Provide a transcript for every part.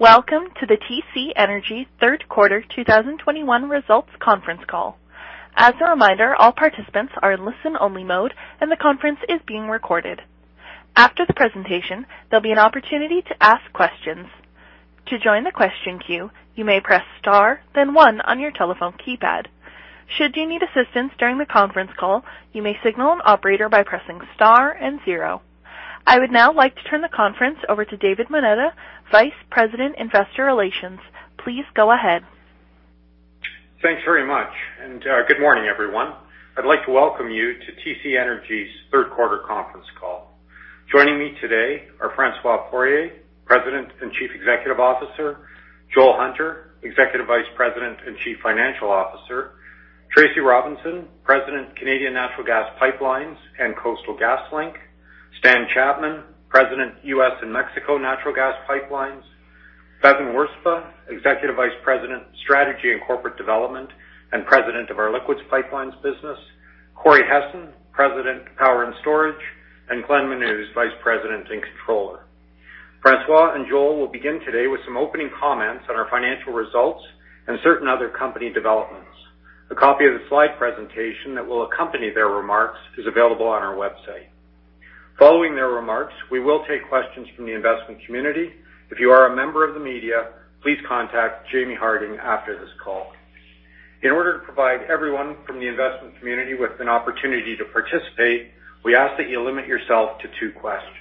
Welcome to the TC Energy third quarter 2021 results conference call. As a reminder, all participants are in listen-only mode, and the conference is being recorded. After the presentation, there'll be an opportunity to ask questions. To join the question queue, you may press star, then one on your telephone keypad. Should you need assistance during the conference call, you may signal an operator by pressing Star and zero. I would now like to turn the conference over to David Moneta, Vice President, Investor Relations. Please go ahead. Thanks very much, and, good morning, everyone. I'd like to welcome you to TC Energy's third quarter conference call. Joining me today are François Poirier, President and Chief Executive Officer, Joel Hunter, Executive Vice President and Chief Financial Officer, Tracy Robinson, President, Canadian Natural Gas Pipelines and Coastal GasLink, Stan Chapman, President, U.S. and Mexico Natural Gas Pipelines, Bevin Wirzba, Executive Vice President, Strategy and Corporate Development and President of our Liquids Pipelines business, Corey Hessen, President, Power and Storage, and Glenn Menuz, Vice President and Controller. François and Joel will begin today with some opening comments on our financial results and certain other company developments. A copy of the slide presentation that will accompany their remarks is available on our website. Following their remarks, we will take questions from the investment community. If you are a member of the media, please contact Jaimie Harding after this call. In order to provide everyone from the investment community with an opportunity to participate, we ask that you limit yourself to two questions.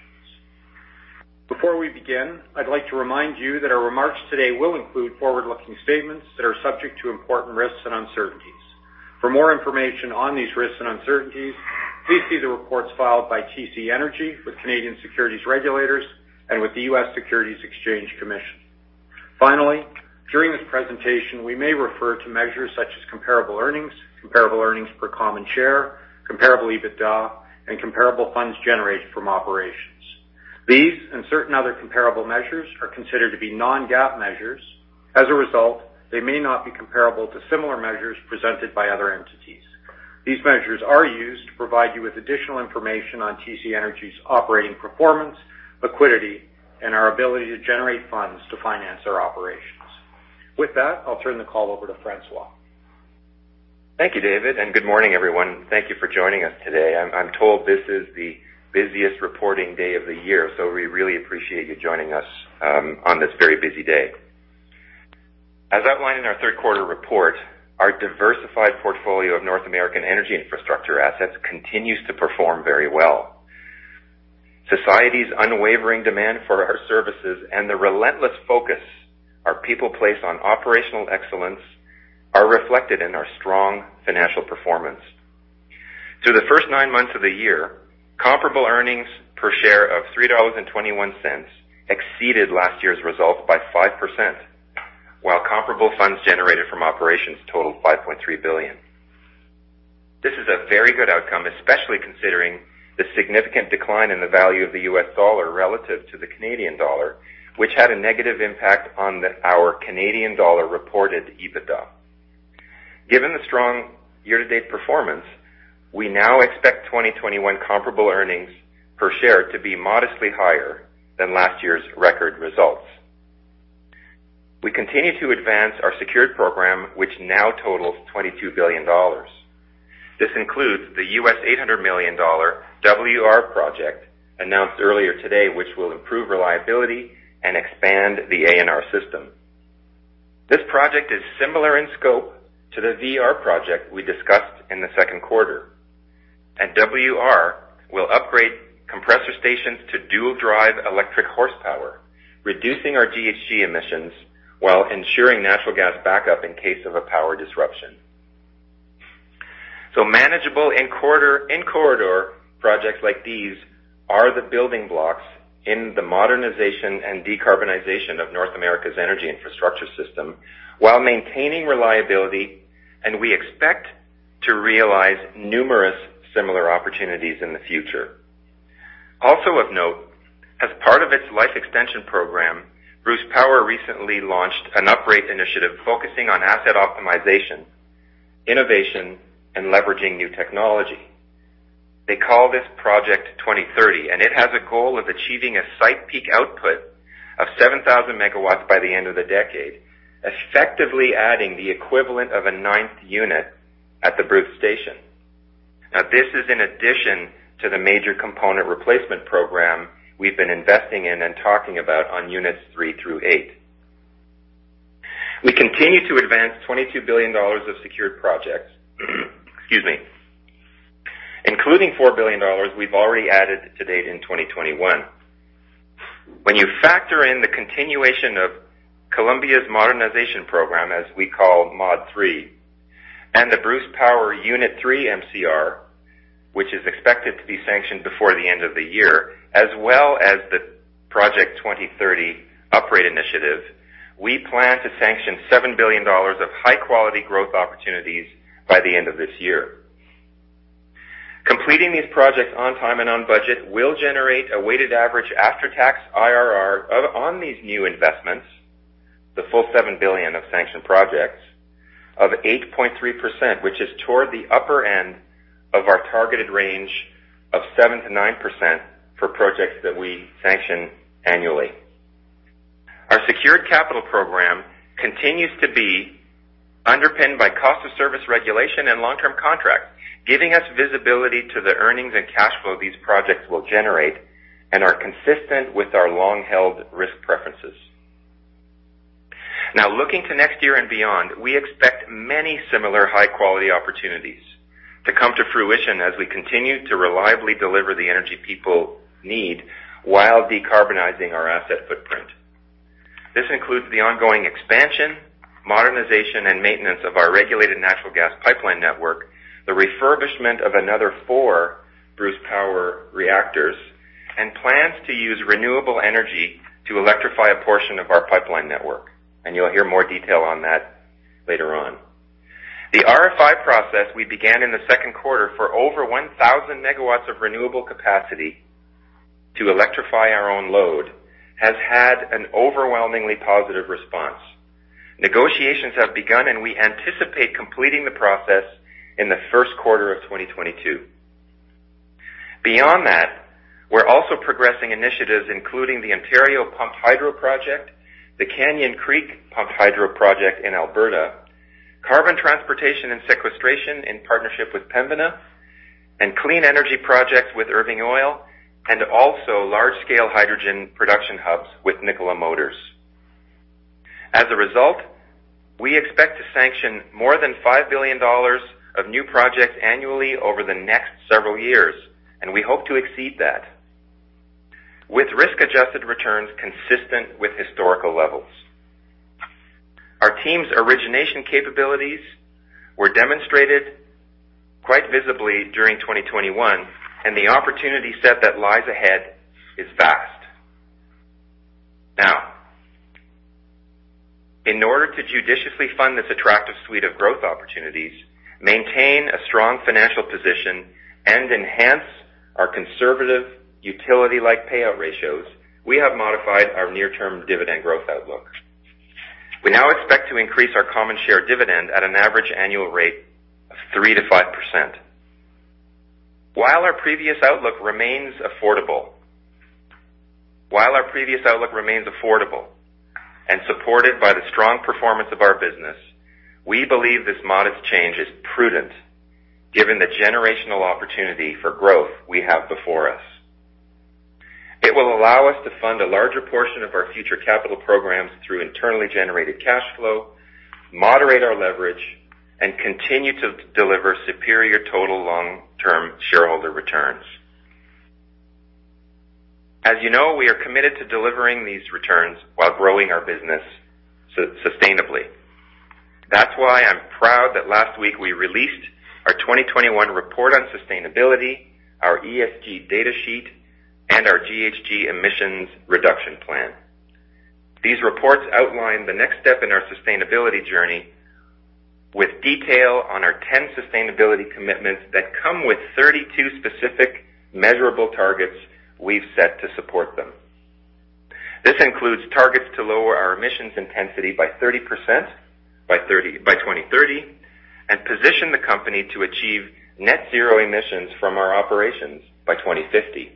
Before we begin, I'd like to remind you that our remarks today will include forward-looking statements that are subject to important risks and uncertainties. For more information on these risks and uncertainties, please see the reports filed by TC Energy with Canadian securities regulators and with the U.S. Securities and Exchange Commission. Finally, during this presentation, we may refer to measures such as comparable earnings, comparable earnings per common share, comparable EBITDA, and comparable funds generated from operations. These and certain other comparable measures are considered to be non-GAAP measures. As a result, they may not be comparable to similar measures presented by other entities. These measures are used to provide you with additional information on TC Energy's operating performance, liquidity, and our ability to generate funds to finance our operations. With that, I'll turn the call over to François. Thank you, David, and good morning, everyone. Thank you for joining us today. I'm told this is the busiest reporting day of the year, so we really appreciate you joining us on this very busy day. As outlined in our third quarter report, our diversified portfolio of North American energy infrastructure assets continues to perform very well. Society's unwavering demand for our services and the relentless focus our people place on operational excellence are reflected in our strong financial performance. Through the first nine months of the year, comparable earnings per share of 3.21 dollars exceeded last year's results by 5%, while comparable funds generated from operations totaled 5.3 billion. This is a very good outcome, especially considering the significant decline in the value of the US dollar relative to the Canadian dollar, which had a negative impact on our Canadian dollar-reported EBITDA. Given the strong year-to-date performance, we now expect 2021 comparable earnings per share to be modestly higher than last year's record results. We continue to advance our secured program, which now totals 22 billion dollars. This includes the $800 million WR Project announced earlier today, which will improve reliability and expand the ANR system. This project is similar in scope to the VR Project we discussed in the second quarter, and WR will upgrade compressor stations to Dual Drive electric horsepower, reducing our GHG emissions while ensuring natural gas backup in case of a power disruption. Manageable in corridor projects like these are the building blocks in the modernization and decarbonization of North America's energy infrastructure system while maintaining reliability, and we expect to realize numerous similar opportunities in the future. Also of note, as part of its life extension program, Bruce Power recently launched an upgrade initiative focusing on asset optimization, innovation, and leveraging new technology. They call this Project 2030, and it has a goal of achieving a site peak output of 7,000 MW by the end of the decade, effectively adding the equivalent of a ninth unit at the Bruce station. Now, this is in addition to the major component replacement program we've been investing in and talking about on units three through eight. We continue to advance 22 billion dollars of secured projects, excuse me, including 4 billion dollars we've already added to date in 2021. When you factor in the continuation of Columbia's modernization program, as we call Mod III, and the Bruce Power Unit 3 MCR, which is expected to be sanctioned before the end of the year, as well as the Project 2030 upgrade initiative, we plan to sanction 7 billion dollars of high-quality growth opportunities by the end of this year. Completing these projects on time and on budget will generate a weighted average after-tax IRR of 8.3% on these new investments, the full 7 billion of sanctioned projects. This is toward the upper end of our targeted range of 7%-9% for projects that we sanction annually. Our secured capital program continues to be underpinned by cost of service regulation and long-term contracts, giving us visibility to the earnings and cash flow these projects will generate and are consistent with our long-held risk preferences. Now, looking to next year and beyond, we expect many similar high-quality opportunities to come to fruition as we continue to reliably deliver the energy people need while decarbonizing our asset footprint. This includes the ongoing expansion, modernization, and maintenance of our regulated natural gas pipeline network, the refurbishment of another four Bruce Power reactors, and plans to use renewable energy to electrify a portion of our pipeline network, and you'll hear more detail on that later on. The RFI process we began in the second quarter for over 1,000 MW of renewable capacity to electrify our own load has had an overwhelmingly positive response. Negotiations have begun, and we anticipate completing the process in the first quarter of 2022. Beyond that, we're also progressing initiatives including the Ontario Pumped Storage Project, the Canyon Creek Pumped Hydro Project in Alberta, carbon transportation and sequestration in partnership with Pembina, and clean energy projects with Irving Oil, and also large-scale hydrogen production hubs with Nikola. As a result, we expect to sanction more than 5 billion dollars of new projects annually over the next several years, and we hope to exceed that with risk-adjusted returns consistent with historical levels. Our team's origination capabilities were demonstrated quite visibly during 2021, and the opportunity set that lies ahead is vast. Now, in order to judiciously fund this attractive suite of growth opportunities, maintain a strong financial position, and enhance our conservative utility-like payout ratios, we have modified our near-term dividend growth outlook. We now expect to increase our common share dividend at an average annual rate of 3%-5%. While our previous outlook remains affordable and supported by the strong performance of our business, we believe this modest change is prudent given the generational opportunity for growth we have before us. It will allow us to fund a larger portion of our future capital programs through internally generated cash flow, moderate our leverage, and continue to deliver superior total long-term shareholder returns. As you know, we are committed to delivering these returns while growing our business sustainably. That's why I'm proud that last week we released our 2021 report on sustainability, our ESG data sheet, and our GHG emissions reduction plan. These reports outline the next step in our sustainability journey with detail on our 10 sustainability commitments that come with 32 specific measurable targets we've set to support them. This includes targets to lower our emissions intensity by 30% by 2030, and position the company to achieve net zero emissions from our operations by 2050.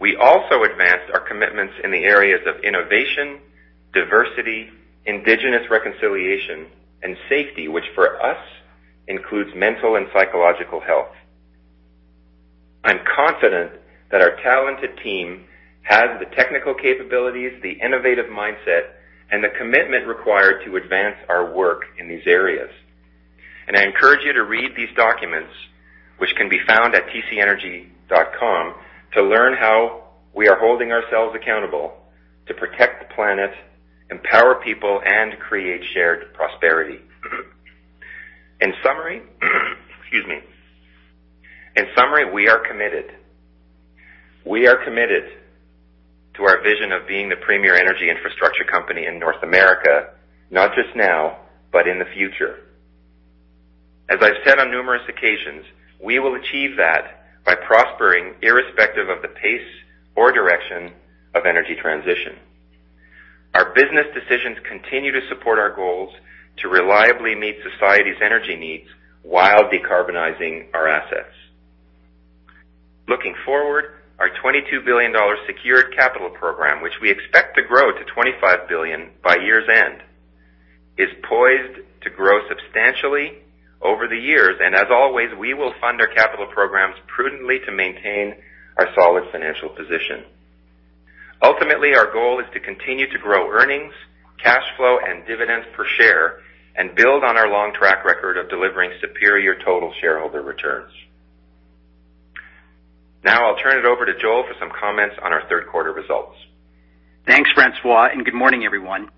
We also advanced our commitments in the areas of innovation, diversity, Indigenous reconciliation, and safety, which for us includes mental and psychological health. I'm confident that our talented team has the technical capabilities, the innovative mindset, and the commitment required to advance our work in these areas. I encourage you to read these documents, which can be found at tcenergy.com, to learn how we are holding ourselves accountable to protect the planet, empower people, and create shared prosperity. In summary, we are committed to our vision of being the premier energy infrastructure company in North America, not just now, but in the future. As I've said on numerous occasions, we will achieve that by prospering irrespective of the pace or direction of energy transition. Our business decisions continue to support our goals to reliably meet society's energy needs while decarbonizing our assets. Looking forward, our 22 billion dollars secured capital program, which we expect to grow to 25 billion by year's end, is poised to grow substantially over the years. As always, we will fund our capital programs prudently to maintain our solid financial position. Ultimately, our goal is to continue to grow earnings, cash flow, and dividends per share, and build on our long track record of delivering superior total shareholder returns. Now, I'll turn it over to Joel for some comments on our third quarter results. Thanks, François, and good morning, everyone.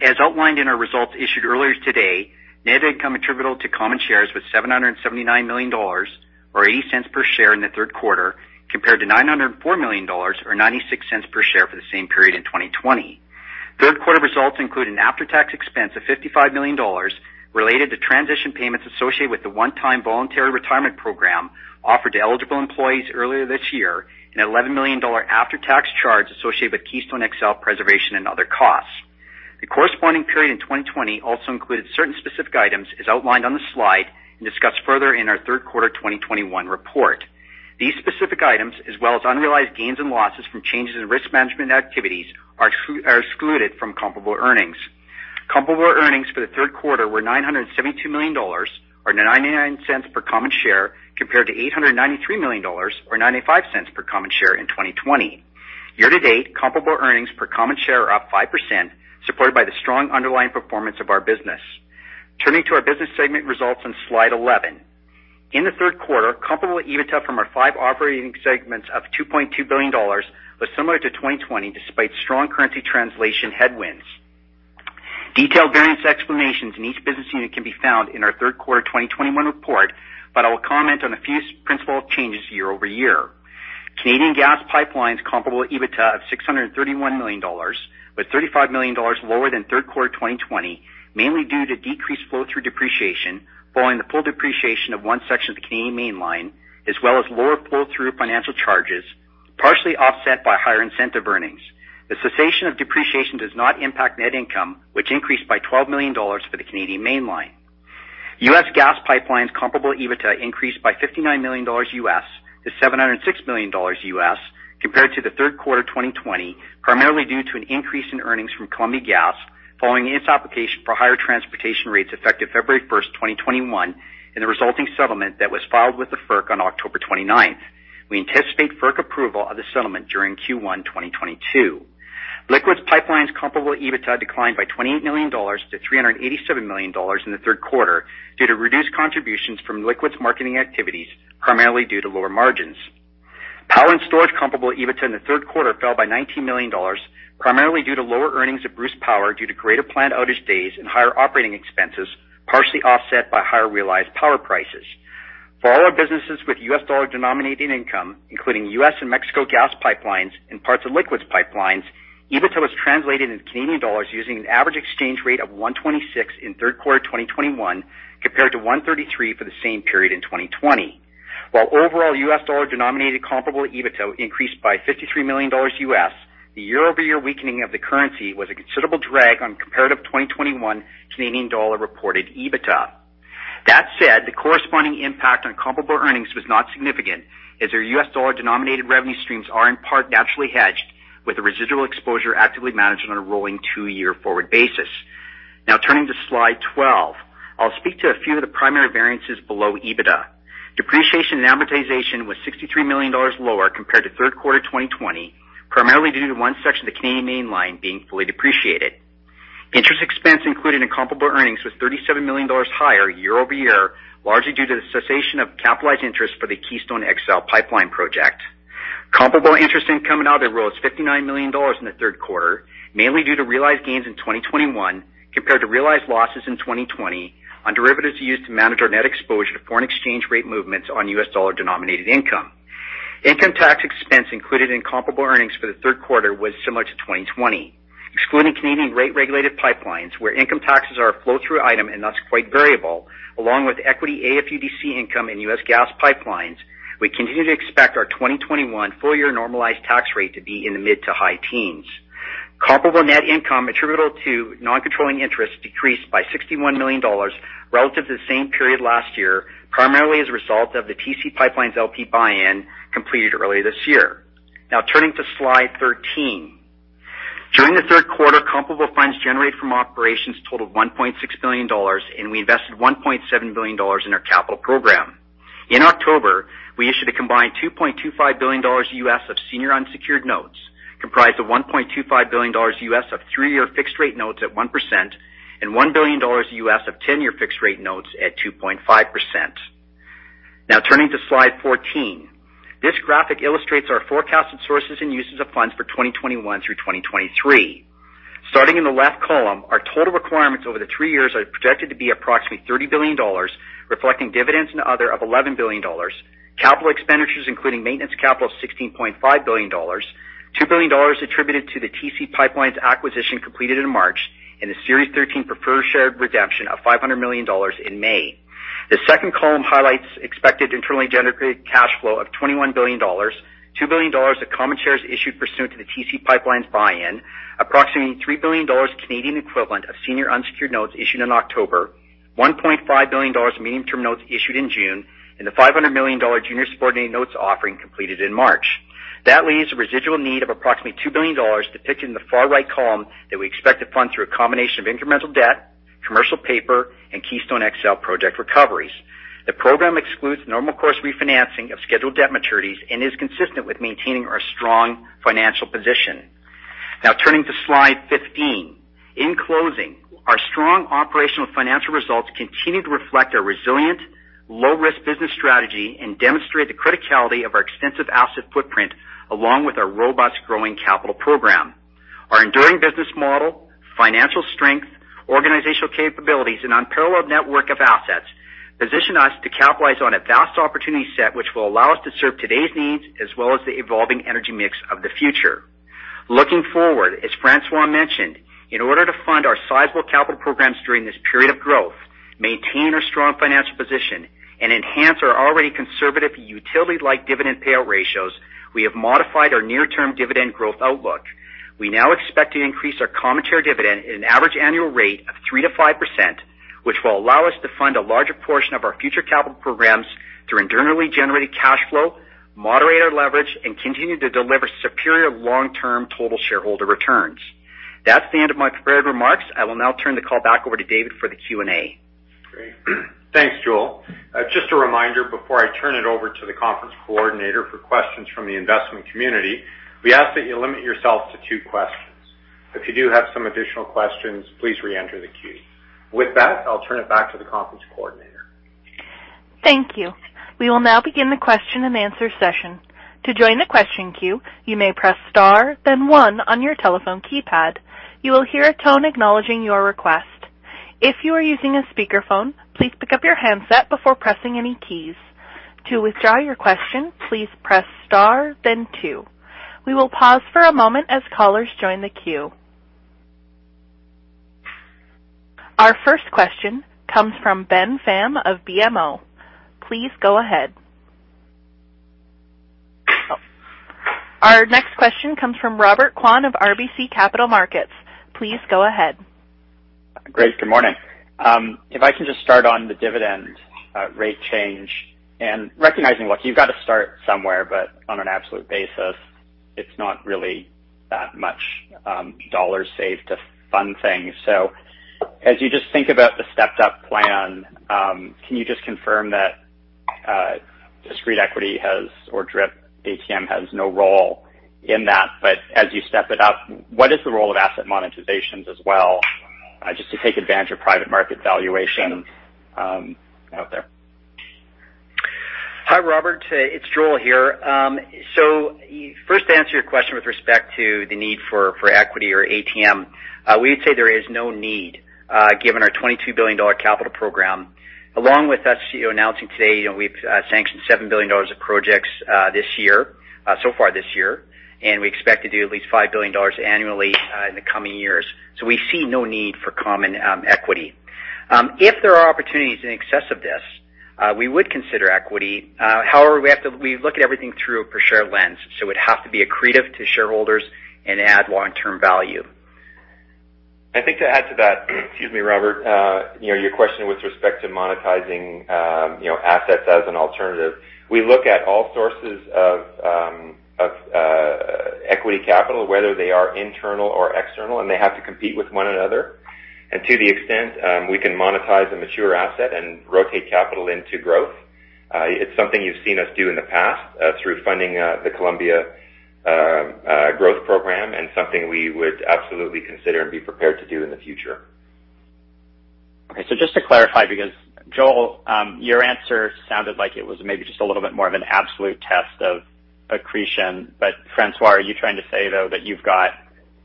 As outlined in our results issued earlier today, net income attributable to common shares was 779 million dollars or 0.80 per share in the third quarter, compared to 904 million dollars or 0.96 per share for the same period in 2020. Third quarter results include an after-tax expense of 55 million dollars related to transition payments associated with the one-time voluntary retirement program offered to eligible employees earlier this year and 11 million dollar after-tax charge associated with Keystone XL preservation and other costs. Corresponding period in 2020 also included certain specific items as outlined on the slide and discussed further in our third quarter 2021 report. These specific items, as well as unrealized gains and losses from changes in risk management activities, are excluded from comparable earnings. Comparable earnings for the third quarter were CAD 972 million or 0.99 per common share, compared to CAD 893 million or 0.95 per common share in 2020. Year to date, comparable earnings per common share are up 5%, supported by the strong underlying performance of our business. Turning to our business segment results on slide 11. In the third quarter, comparable EBITDA from our five operating segments of CAD 2.2 billion was similar to 2020, despite strong currency translation headwinds. Detailed variance explanations in each business unit can be found in our third quarter 2021 report, but I will comment on a few significant changes year-over-year. Canadian Gas Pipelines comparable EBITDA of 631 million dollars, with 35 million dollars lower than third quarter 2020 mainly due to decreased flow-through depreciation following the full depreciation of one section of the Canadian Mainline, as well as lower pull-through financial charges, partially offset by higher incentive earnings. The cessation of depreciation does not impact net income, which increased by 12 million dollars for the Canadian Mainline. U.S. Gas Pipelines comparable EBITDA increased by $59 million-$706 million compared to the third quarter 2020, primarily due to an increase in earnings from Columbia Gas following its application for higher transportation rates effective February 1, 2021, and the resulting settlement that was filed with the FERC on October 29. We anticipate FERC approval of the settlement during Q1 2022. Liquids Pipelines comparable EBITDA declined by 28 million-387 million dollars in the third quarter due to reduced contributions from liquids marketing activities, primarily due to lower margins. Power and Storage comparable EBITDA in the third quarter fell by 19 million dollars, primarily due to lower earnings at Bruce Power due to greater planned outage days and higher operating expenses, partially offset by higher realized power prices. For all our businesses with US dollar-denominated income, including U.S. and Mexico gas pipelines and parts of liquids pipelines, EBITDA was translated into Canadian dollars using an average exchange rate of 1.26 in third quarter 2021 compared to 1.33 for the same period in 2020. While overall US dollar-denominated comparable EBITDA increased by $53 million, the year-over-year weakening of the currency was a considerable drag on comparative 2021 Canadian dollar-reported EBITDA. That said, the corresponding impact on comparable earnings was not significant as their US dollar-denominated revenue streams are in part naturally hedged, with the residual exposure actively managed on a rolling two year forward basis. Now turning to slide 12. I'll speak to a few of the primary variances below EBITDA. Depreciation and amortization was 63 million dollars lower compared to third quarter 2020, primarily due to one section of the Canadian Mainline being fully depreciated. Interest expense included in comparable earnings was 37 million dollars higher year-over-year, largely due to the cessation of capitalized interest for the Keystone XL Pipeline project. Comparable interest income and other rose 59 million dollars in the third quarter, mainly due to realized gains in 2021 compared to realized losses in 2020 on derivatives used to manage our net exposure to foreign exchange rate movements on US dollar-denominated income. Income tax expense included in comparable earnings for the third quarter was similar to 2020. Excluding Canadian rate-regulated pipelines, where income taxes are a flow-through item and thus quite variable, along with equity AFUDC income in U.S. gas pipelines, we continue to expect our 2021 full-year normalized tax rate to be in the mid to high teens. Comparable net income attributable to non-controlling interests decreased by 61 million dollars relative to the same period last year, primarily as a result of the TC PipeLines, LP buy-in completed early this year. Now turning to slide 13. During the third quarter, comparable funds generated from operations totaled 1.6 billion dollars, and we invested 1.7 billion dollars in our capital program. In October, we issued a combined $2.25 billion of senior unsecured notes, comprised of $1.25 billion of three-year fixed-rate notes at 1% and $1 billion of 10-year fixed-rate notes at 2.5%. Now turning to slide 14. This graphic illustrates our forecasted sources and uses of funds for 2021 through 2023. Starting in the left column, our total requirements over the three years are projected to be approximately 30 billion dollars, reflecting dividends and other of 11 billion dollars, capital expenditures including maintenance capital of 16.5 billion dollars, 2 billion dollars attributed to the TC PipeLines acquisition completed in March, and a Series 13 preferred share redemption of 500 million dollars in May. The second column highlights expected internally generated cash flow of 21 billion dollars, 2 billion dollars of common shares issued pursuant to the TC PipeLines buy-in, approximately 3 billion Canadian dollars Canadian equivalent of senior unsecured notes issued in October, 1.5 billion dollars medium-term notes issued in June, and the 500 million dollar junior subordinated notes offering completed in March. That leaves a residual need of approximately 2 billion dollars depicted in the far right column that we expect to fund through a combination of incremental debt, commercial paper, and Keystone XL project recoveries. The program excludes normal course refinancing of scheduled debt maturities and is consistent with maintaining our strong financial position. Now turning to slide 15. In closing, our strong operational financial results continue to reflect our resilient low-risk business strategy and demonstrate the criticality of our extensive asset footprint along with our robust growing capital program. Our enduring business model, financial strength, organizational capabilities, and unparalleled network of assets position us to capitalize on a vast opportunity set which will allow us to serve today's needs as well as the evolving energy mix of the future. Looking forward, as François mentioned, in order to fund our sizable capital programs during this period of growth, maintain our strong financial position, and enhance our already conservative utility-like dividend payout ratios, we have modified our near-term dividend growth outlook. We now expect to increase our common share dividend at an average annual rate of 3%-5%, which will allow us to fund a larger portion of our future capital programs through internally generated cash flow, moderate our leverage, and continue to deliver superior long-term total shareholder returns. That's the end of my prepared remarks. I will now turn the call back over to David for the Q&A. Great. Thanks, Joel. Just a reminder before I turn it over to the conference coordinator for questions from the investment community, we ask that you limit yourself to two questions. If you do have some additional questions, please reenter the queue. With that, I'll turn it back to the conference coordinator. Thank you. We will now begin the question-and-answer session. To join the question queue, you may press star then one on your telephone keypad. You will hear a tone acknowledging your request. If you are using a speakerphone, please pick up your handset before pressing any keys. To withdraw your question, please press star then two. We will pause for a moment as callers join the queue. Our first question comes from Ben Pham of BMO. Please go ahead. Our next question comes from Robert Kwan of RBC Capital Markets. Please go ahead. Great. Good morning. If I can just start on the dividend rate change and recognizing, look, you've got to start somewhere, but on an absolute basis, it's not really that much dollars saved to fund things. As you just think about the stepped up plan, can you just confirm that direct equity has or DRIP ATM has no role in that? As you step it up, what is the role of asset monetizations as well, just to take advantage of private market valuation out there? Hi, Robert. It's Joel here. First, to answer your question with respect to the need for equity or ATM, we would say there is no need, given our 22 billion dollar capital program, along with us announcing today, we've sanctioned 7 billion dollars of projects this year, so far this year, and we expect to do at least 5 billion dollars annually in the coming years. We see no need for common equity. If there are opportunities in excess of this, we would consider equity. However, we look at everything through a per share lens, it would have to be accretive to shareholders and add long-term value. I think to add to that. Excuse me, Robert, your question with respect to monetizing assets as an alternative. We look at all sources of equity capital, whether they are internal or external, and they have to compete with one another. To the extent we can monetize a mature asset and rotate capital into growth, it's something you've seen us do in the past through funding the Columbia growth program and something we would absolutely consider and be prepared to do in the future. Okay, just to clarify, because Joel, your answer sounded like it was maybe just a little bit more of an absolute test of accretion. François, are you trying to say, though, that you've got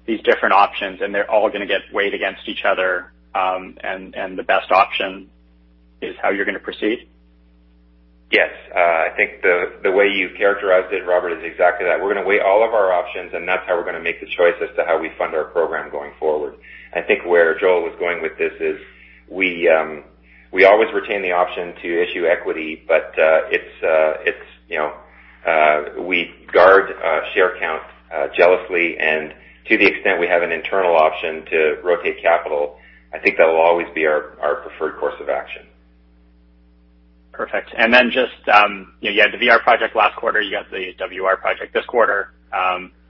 these different options and they're all going to get weighed against each other, and the best option is how you're going to proceed? Yes. I think the way you characterized it, Robert, is exactly that. We're going to weigh all of our options, and that's how we're going to make the choice as to how we fund our program going forward. I think where Joel was going with this is we always retain the option to issue equity, but it's you know, we guard share count jealously. To the extent we have an internal option to rotate capital, I think that will always be our preferred course of action. Perfect. Just, you had the VR Project last quarter, you got the WR Project this quarter.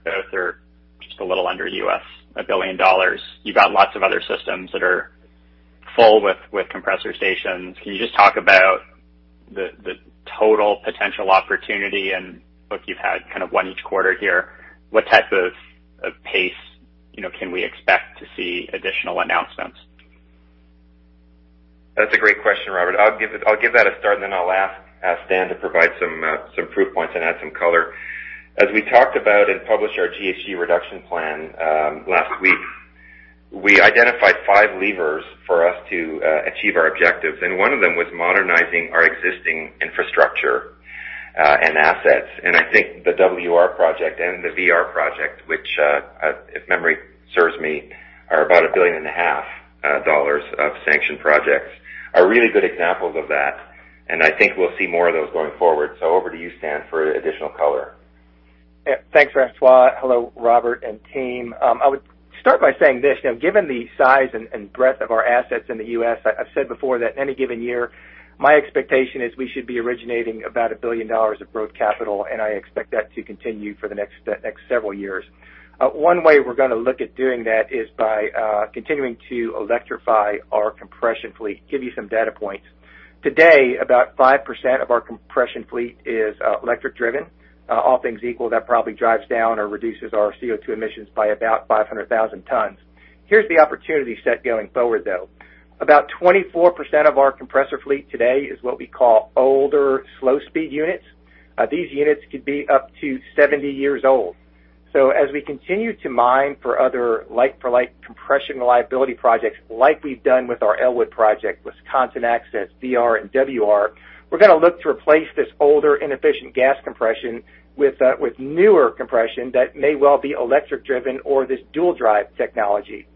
Those are just a little under $1 billion. You've got lots of other systems that are full with compressor stations. Can you just talk about the total potential opportunity? Look, you've had one each quarter here. What type of pace, you know, can we expect to see additional announcements? That's a great question, Robert. I'll give that a start, and then I'll ask Stan to provide some proof points and add some color. As we talked about and published our GHG reduction plan last week, we identified five levers for us to achieve our objectives, and one of them was modernizing our existing infrastructure and assets. I think the WR Project and the VR Project, which, if memory serves me, are about 1.5 billion of sanctioned projects, are really good examples of that, and I think we'll see more of those going forward. Over to you, Stan, for additional color. Yeah. Thanks, François. Hello, Robert and team. I would start by saying this. Now, given the size and breadth of our assets in the U.S., I've said before that any given year, my expectation is we should be originating about $1 billion of growth capital, and I expect that to continue for the next several years. One way we're going to look at doing that is by continuing to electrify our compression fleet. Give you some data points. Today, about 5% of our compression fleet is electric driven. All things equal, that probably drives down or reduces our CO₂ emissions by about 500,000 tons. Here's the opportunity set going forward, though. About 24% of our compressor fleet today is what we call older slow speed units. These units could be up to 70-years old. As we continue to mine for other like for like compression reliability projects, like we've done with our Elwood project, Wisconsin Access, VR, and WR, we're going to look to replace this older inefficient gas compression with newer compression that may well be electric-driven or this Dual Drive technology.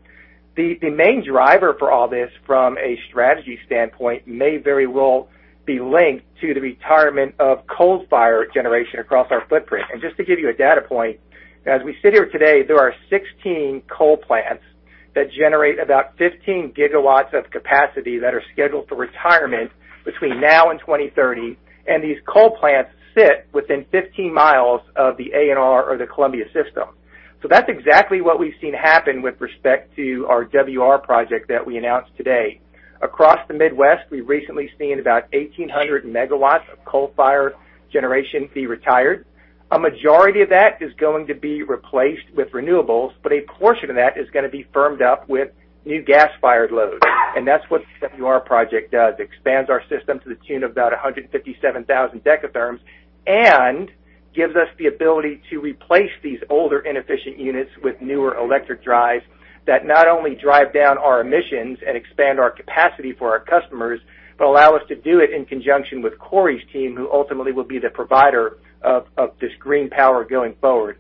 The main driver for all this from a strategy standpoint may very well be linked to the retirement of coal-fired generation across our footprint. Just to give you a data point, as we sit here today, there are 16 coal plants that generate about 15 GW of capacity that are scheduled for retirement between now and 2030, and these coal plants sit within 15 mi of the ANR or the Columbia system. That's exactly what we've seen happen with respect to our WR Project that we announced today. Across the Midwest, we've recently seen about 1,800 MW of coal-fired generation be retired. A majority of that is going to be replaced with renewables, but a portion of that is gonna be firmed up with new gas-fired loads. That's what the WR Project does, expands our system to the tune of about 157,000 dekatherms and gives us the ability to replace these older inefficient units with newer electric drives that not only drive down our emissions and expand our capacity for our customers, but allow us to do it in conjunction with Corey's team, who ultimately will be the provider of this green power going forward.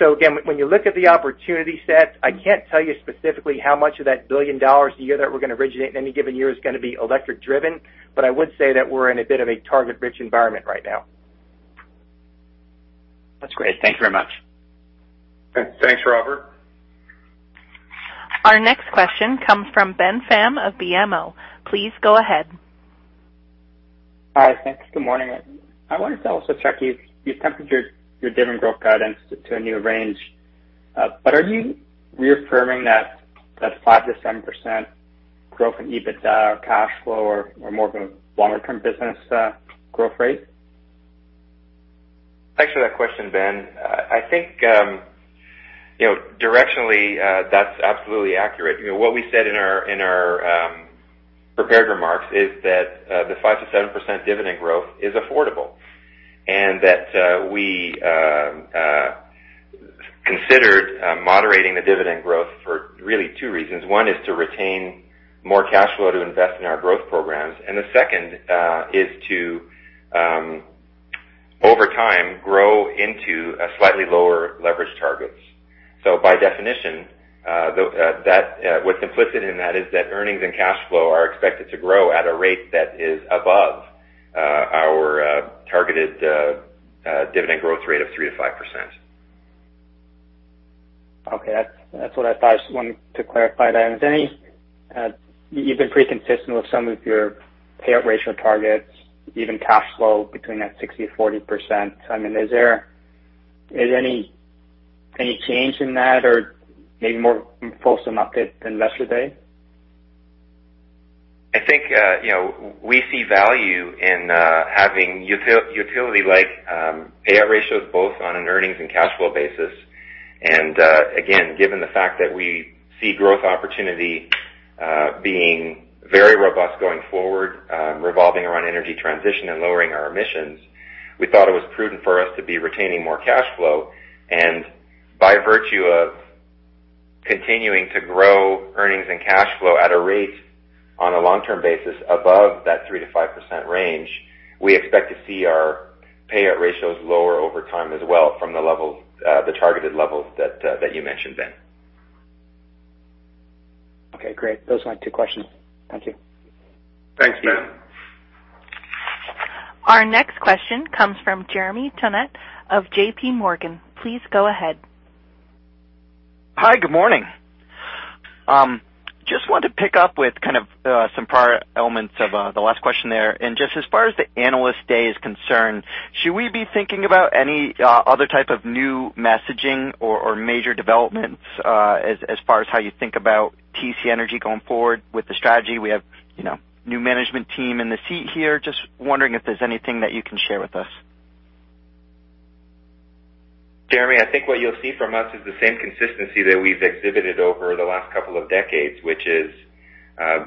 Again, when you look at the opportunity set, I can't tell you specifically how much of that $1 billion a year that we're gonna originate in any given year is gonna be electric-driven, but I would say that we're in a bit of a target-rich environment right now. That's great. Thank you very much. Thanks, Robert. Our next question comes from Ben Pham of BMO. Please go ahead. Hi. Thanks. Good morning. I wanted to also check, you've tempered your dividend growth guidance to a new range. Are you reaffirming that 5%-7% growth in EBITDA or cash flow are more of a longer-term business growth rate? Thanks for that question, Ben. I think, you know, directionally, that's absolutely accurate. You know, what we said in our prepared remarks is that the 5%-7% dividend growth is affordable. That we considered moderating the dividend growth for really two reasons. One is to retain more cash flow to invest in our growth programs, and the second is to over time grow into a slightly lower leverage targets. By definition, that's what's implicit in that is that earnings and cash flow are expected to grow at a rate that is above our targeted dividend growth rate of 3%-5%. Okay. That's what I thought. I just wanted to clarify that. You've been pretty consistent with some of your payout ratio targets, even cash flow between that 60%-40%. I mean, is there any change in that or maybe more fulsome update than Investor Day? I think, you know, we see value in having utility-like payout ratios both on an earnings and cash flow basis. Again, given the fact that we see growth opportunity being very robust going forward, revolving around energy transition and lowering our emissions, we thought it was prudent for us to be retaining more cash flow. By virtue of continuing to grow earnings and cash flow at a rate on a long-term basis above that 3%-5% range, we expect to see our payout ratios lower over time as well from the level, the targeted levels that you mentioned, Ben. Okay, great. Those were my two questions. Thank you. Thanks, Ben. Our next question comes from Jeremy Tonet of JPMorgan Chase. Please go ahead. Hi, good morning. Just wanted to pick up with kind of some prior elements of the last question there. Just as far as the Analyst Day is concerned, should we be thinking about any other type of new messaging or major developments as far as how you think about TC Energy going forward with the strategy? We have, you know, new management team in the seat here. Just wondering if there's anything that you can share with us. Jeremy, I think what you'll see from us is the same consistency that we've exhibited over the last couple of decades, which is,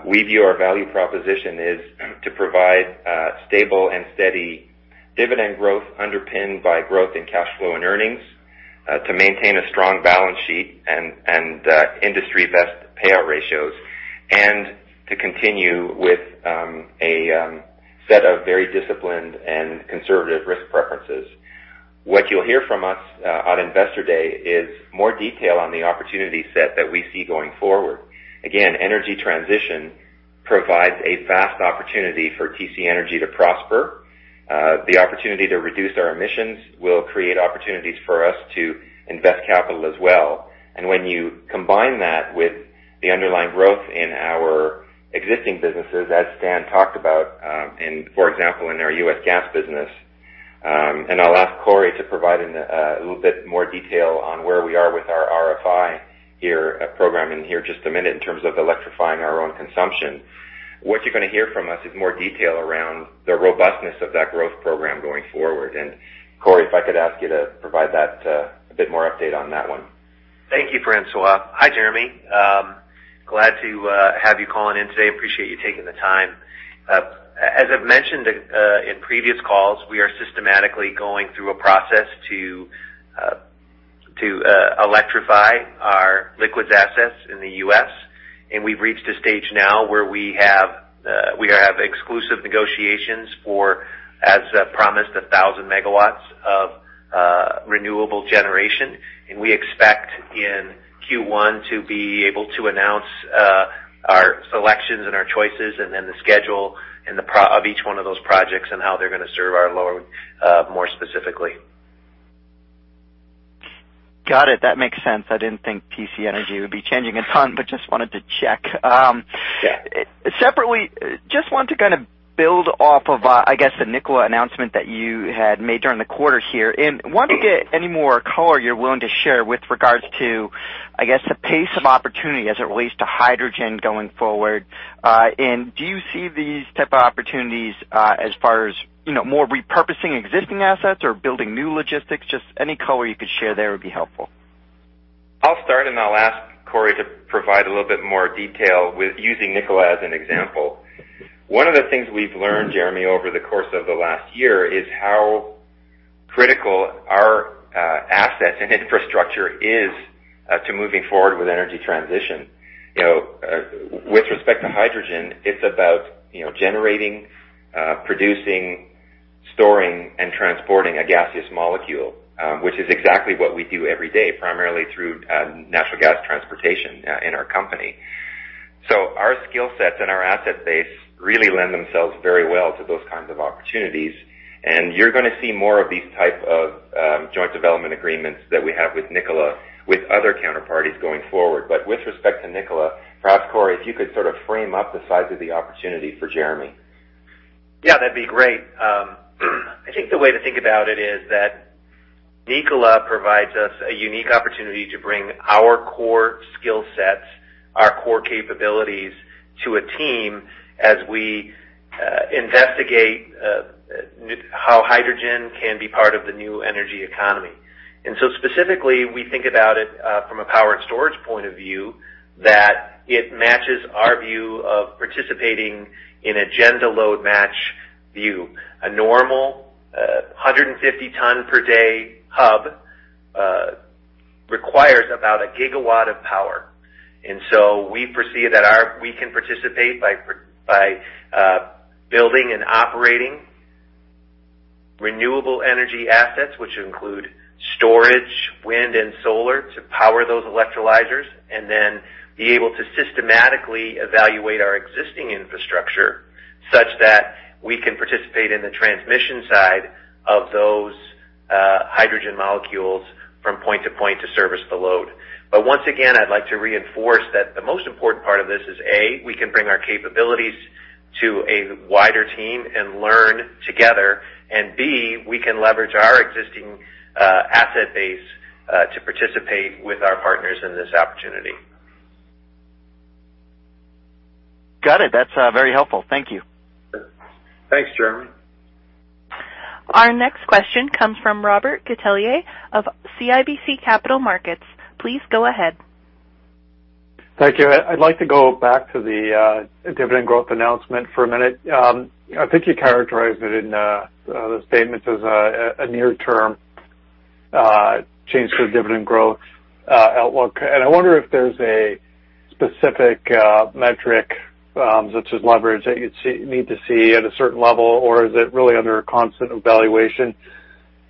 we view our value proposition is to provide, stable and steady dividend growth underpinned by growth in cash flow and earnings, to maintain a strong balance sheet and, industry-best payout ratios, and to continue with, a, set of very disciplined and conservative risk preferences. What you'll hear from us on Investor Day is more detail on the opportunity set that we see going forward. Again, energy transition provides a vast opportunity for TC Energy to prosper. The opportunity to reduce our emissions will create opportunities for us to invest capital as well. When you combine that with the underlying growth in our existing businesses, as Stan talked about, in, for example, in our U.S. gas business, and I'll ask Corey to provide a little bit more detail on where we are with our RFI program in just a minute in terms of electrifying our own consumption. What you're gonna hear from us is more detail around the robustness of that growth program going forward. Corey, if I could ask you to provide a bit more update on that one. Thank you, François. Hi, Jeremy. Glad to have you calling in today. Appreciate you taking the time. As I've mentioned in previous calls, we are systematically going through a process to electrify our liquids assets in the U.S. We've reached a stage now where we have exclusive negotiations for, as promised, 1,000 MW of renewable generation. We expect in Q1 to be able to announce our selections and our choices and then the schedule of each one of those projects and how they're gonna serve our load more specifically. Got it. That makes sense. I didn't think TC Energy would be changing a ton, but just wanted to check. Yeah. Separately, just wanted to kind of build off of, I guess the Nikola announcement that you had made during the quarter here. Wanted to get any more color you're willing to share with regards to, I guess, the pace of opportunity as it relates to hydrogen going forward. Do you see these type of opportunities, as far as, you know, more repurposing existing assets or building new logistics? Just any color you could share there would be helpful. I'll start, and I'll ask Corey to provide a little bit more detail with using Nikola as an example. One of the things we've learned, Jeremy, over the course of the last year is how critical our assets and infrastructure is to moving forward with energy transition. You know, with respect to hydrogen, it's about, you know, generating, producing, storing, and transporting a gaseous molecule, which is exactly what we do every day, primarily through natural gas transportation in our company. Our skill sets and our asset base really lend themselves very well to those kinds of opportunities. You're gonna see more of these type of joint development agreements that we have with Nikola, with other counterparties going forward. With respect to Nikola, perhaps, Corey, if you could sort of frame up the size of the opportunity for Jeremy. Yeah, that'd be great. I think the way to think about it is that Nikola provides us a unique opportunity to bring our core skill sets, our core capabilities to a team as we investigate how hydrogen can be part of the new energy economy. Specifically, we think about it from a power and storage point of view, that it matches our view of participating in an agenda load match view. A normal 150 ton per day hub requires about a gigawatt of power. We perceive that we can participate by building and operating renewable energy assets, which include storage, wind, and solar to power those electrolyzers, and then be able to systematically evaluate our existing infrastructure such that we can participate in the transmission side of those hydrogen molecules from point to point to service the load. Once again, I'd like to reinforce that the most important part of this is, A, we can bring our capabilities to a wider team and learn together, and B, we can leverage our existing asset base to participate with our partners in this opportunity. Got it. That's very helpful. Thank you. Thanks, Jeremy. Our next question comes from Robert Catellier of CIBC Capital Markets. Please go ahead. Thank you. I'd like to go back to the dividend growth announcement for a minute. I think you characterized it in the statements as a near-term change to the dividend growth outlook. I wonder if there's a specific metric, such as leverage, that you'd need to see at a certain level, or is it really under a constant evaluation?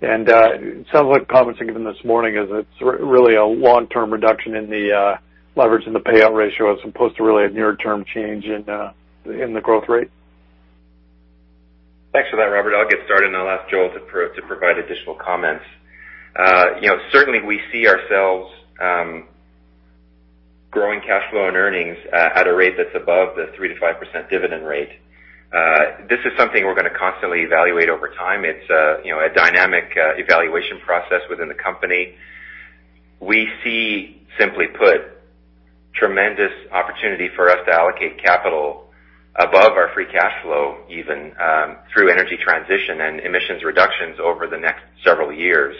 It sounds like comments you've given this morning is it's really a long-term reduction in the leverage in the payout ratio as opposed to really a near-term change in the growth rate. Thanks for that, Robert. I'll get started, and I'll ask Joel to provide additional comments. You know, certainly we see ourselves growing cash flow and earnings at a rate that's above the 3%-5% dividend rate. This is something we're gonna constantly evaluate over time. It's you know, a dynamic evaluation process within the company. We see, simply put, tremendous opportunity for us to allocate capital above our free cash flow, even through energy transition and emissions reductions over the next several years.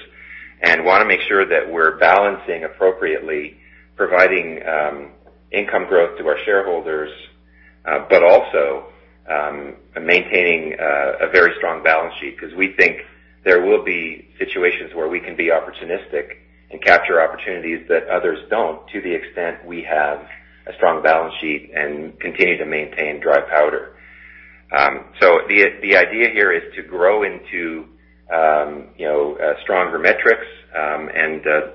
Wanna make sure that we're balancing appropriately, providing income growth to our shareholders, but also maintaining a very strong balance sheet. 'Cause we think there will be situations where we can be opportunistic and capture opportunities that others don't to the extent we have a strong balance sheet and continue to maintain dry powder. The idea here is to grow into you know stronger metrics.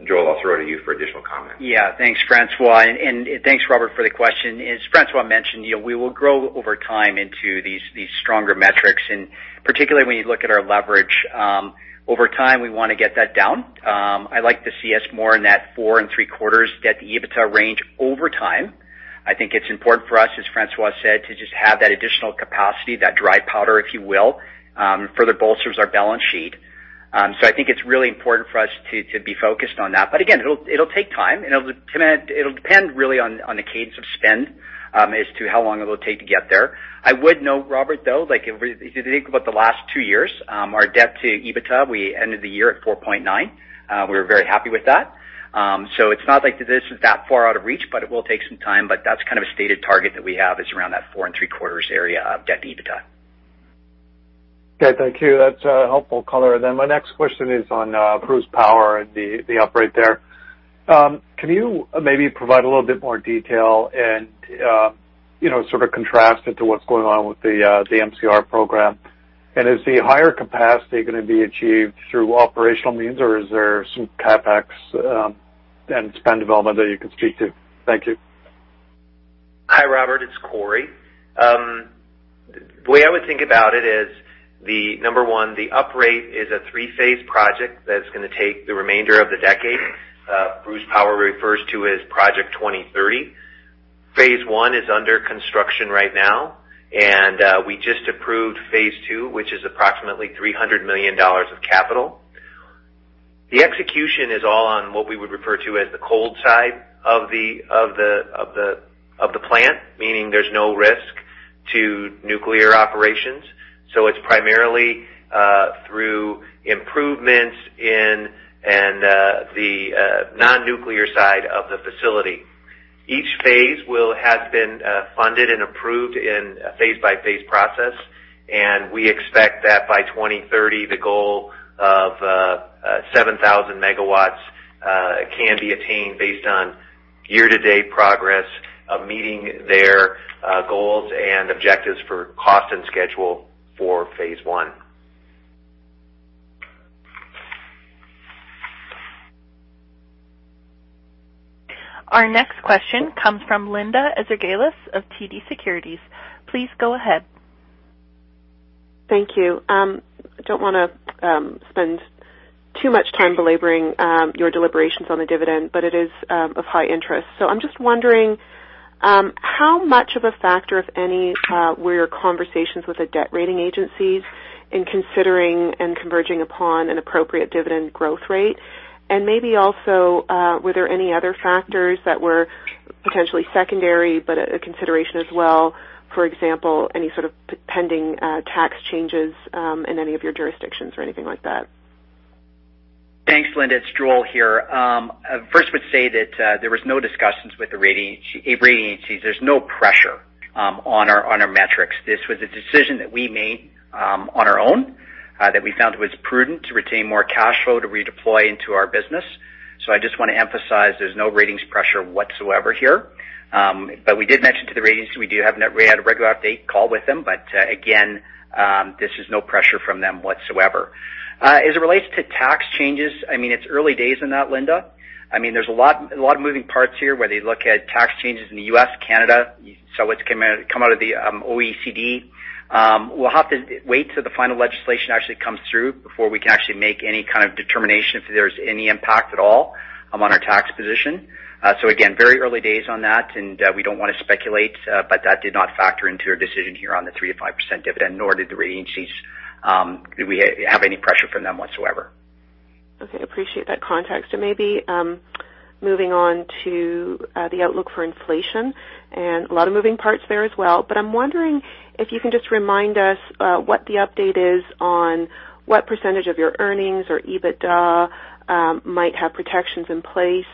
Joel, I'll throw to you for additional comments. Yeah. Thanks, François. Thanks Robert for the question. As François mentioned, you know, we will grow over time into these stronger metrics. Particularly when you look at our leverage, over time, we wanna get that down. I like to see us more in that 4.75 debt-to-EBITDA range over time. I think it's important for us, as François said, to just have that additional capacity, that dry powder, if you will, further bolsters our balance sheet. I think it's really important for us to be focused on that. Again, it'll take time, and it'll depend really on the cadence of spend, as to how long it'll take to get there. I would note, Robert, though, like if you think about the last two years, our debt-to-EBITDA, we ended the year at 4.9. We were very happy with that. It's not like this is that far out of reach, but it will take some time. That's kind of a stated target that we have is around that 4.75 area of debt-to-EBITDA. Okay, thank you. That's a helpful color. My next question is on Bruce Power, the operations there. Can you maybe provide a little bit more detail and you know, sort of contrast it to what's going on with the MCR program? And is the higher capacity gonna be achieved through operational means, or is there some CapEx and spend development that you can speak to? Thank you. Hi, Robert. It's Corey. The way I would think about it is the number one, the upgrade is a three-phase project that's gonna take the remainder of the decade. Bruce Power refers to as Project 2030. Phase I is under construction right now, and we just approved phase II, which is approximately 300 million dollars of capital. The execution is all on what we would refer to as the cold side of the plant, meaning there's no risk to nuclear operations. It's primarily through improvements in the non-nuclear side of the facility. Each phase will have been funded and approved in a phase-by-phase process, and we expect that by 2030, the goal of 7,000 MW can be attained based on year-to-date progress of meeting their goals and objectives for cost and schedule for phase I. Our next question comes from Linda Ezergailis of TD Securities. Please go ahead. Thank you. I don't wanna spend too much time belaboring your deliberations on the dividend, but it is of high interest. I'm just wondering how much of a factor, if any, were your conversations with the debt rating agencies in considering and converging upon an appropriate dividend growth rate? Maybe also were there any other factors that were potentially secondary but a consideration as well, for example, any sort of pending tax changes in any of your jurisdictions or anything like that? Thanks, Linda. It's Joel here. I first would say that there was no discussions with the rating agencies. There's no pressure on our metrics. This was a decision that we made on our own that we found was prudent to retain more cash flow to redeploy into our business. I just wanna emphasize there's no ratings pressure whatsoever here. But we did mention to the ratings that we had a regular update call with them, but again, this is no pressure from them whatsoever. As it relates to tax changes, I mean, it's early days in that, Linda. I mean, there's a lot of moving parts here, whether you look at tax changes in the U.S., Canada. It's come out of the OECD. We'll have to wait till the final legislation actually comes through before we can actually make any kind of determination if there's any impact at all on our tax position. Again, very early days on that, and we don't wanna speculate, but that did not factor into our decision here on the 3%-5% dividend, nor did we have any pressure from the rating agencies whatsoever. Okay. Appreciate that context. Maybe, moving on to the outlook for inflation and a lot of moving parts there as well. I'm wondering if you can just remind us, what the update is on what percentage of your earnings or EBITDA might have protections in place.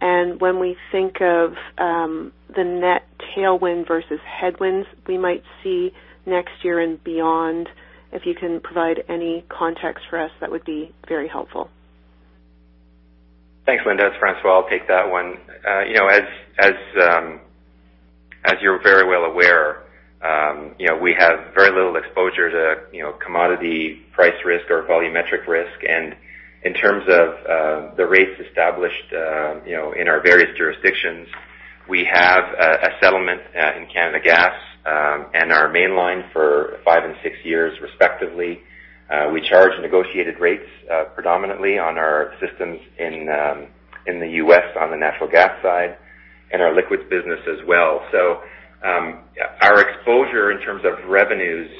When we think of the net tailwind versus headwinds we might see next year and beyond, if you can provide any context for us, that would be very helpful. Thanks, Linda. It's François. I'll take that one. You know, as as you're very well aware, you know, we have very little exposure to you know, commodity price risk or volumetric risk. In terms of the rates established, you know, in our various jurisdictions, we have a settlement in NGTL and our Canadian Mainline for five and six years respectively. We charge negotiated rates predominantly on our systems in the U.S. on the natural gas side and our liquids business as well. Our exposure in terms of revenues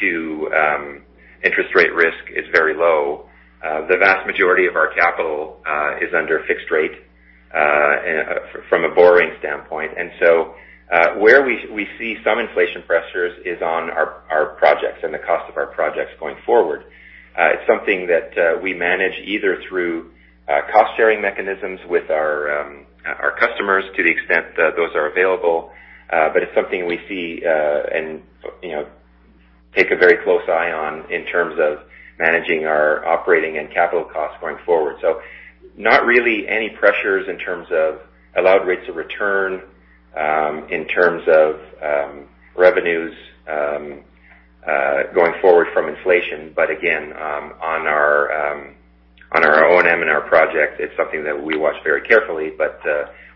to interest rate risk is very low. The vast majority of our capital is under fixed rate and from a borrowing standpoint. Where we see some inflation pressures is on our projects and the cost of our projects going forward. It's something that we manage either through cost-sharing mechanisms with our customers to the extent those are available. But it's something we see and, you know, take a very close eye on in terms of managing our operating and capital costs going forward. Not really any pressures in terms of allowed rates of return in terms of revenues going forward from inflation. Again, on our O&M and our project, it's something that we watch very carefully, but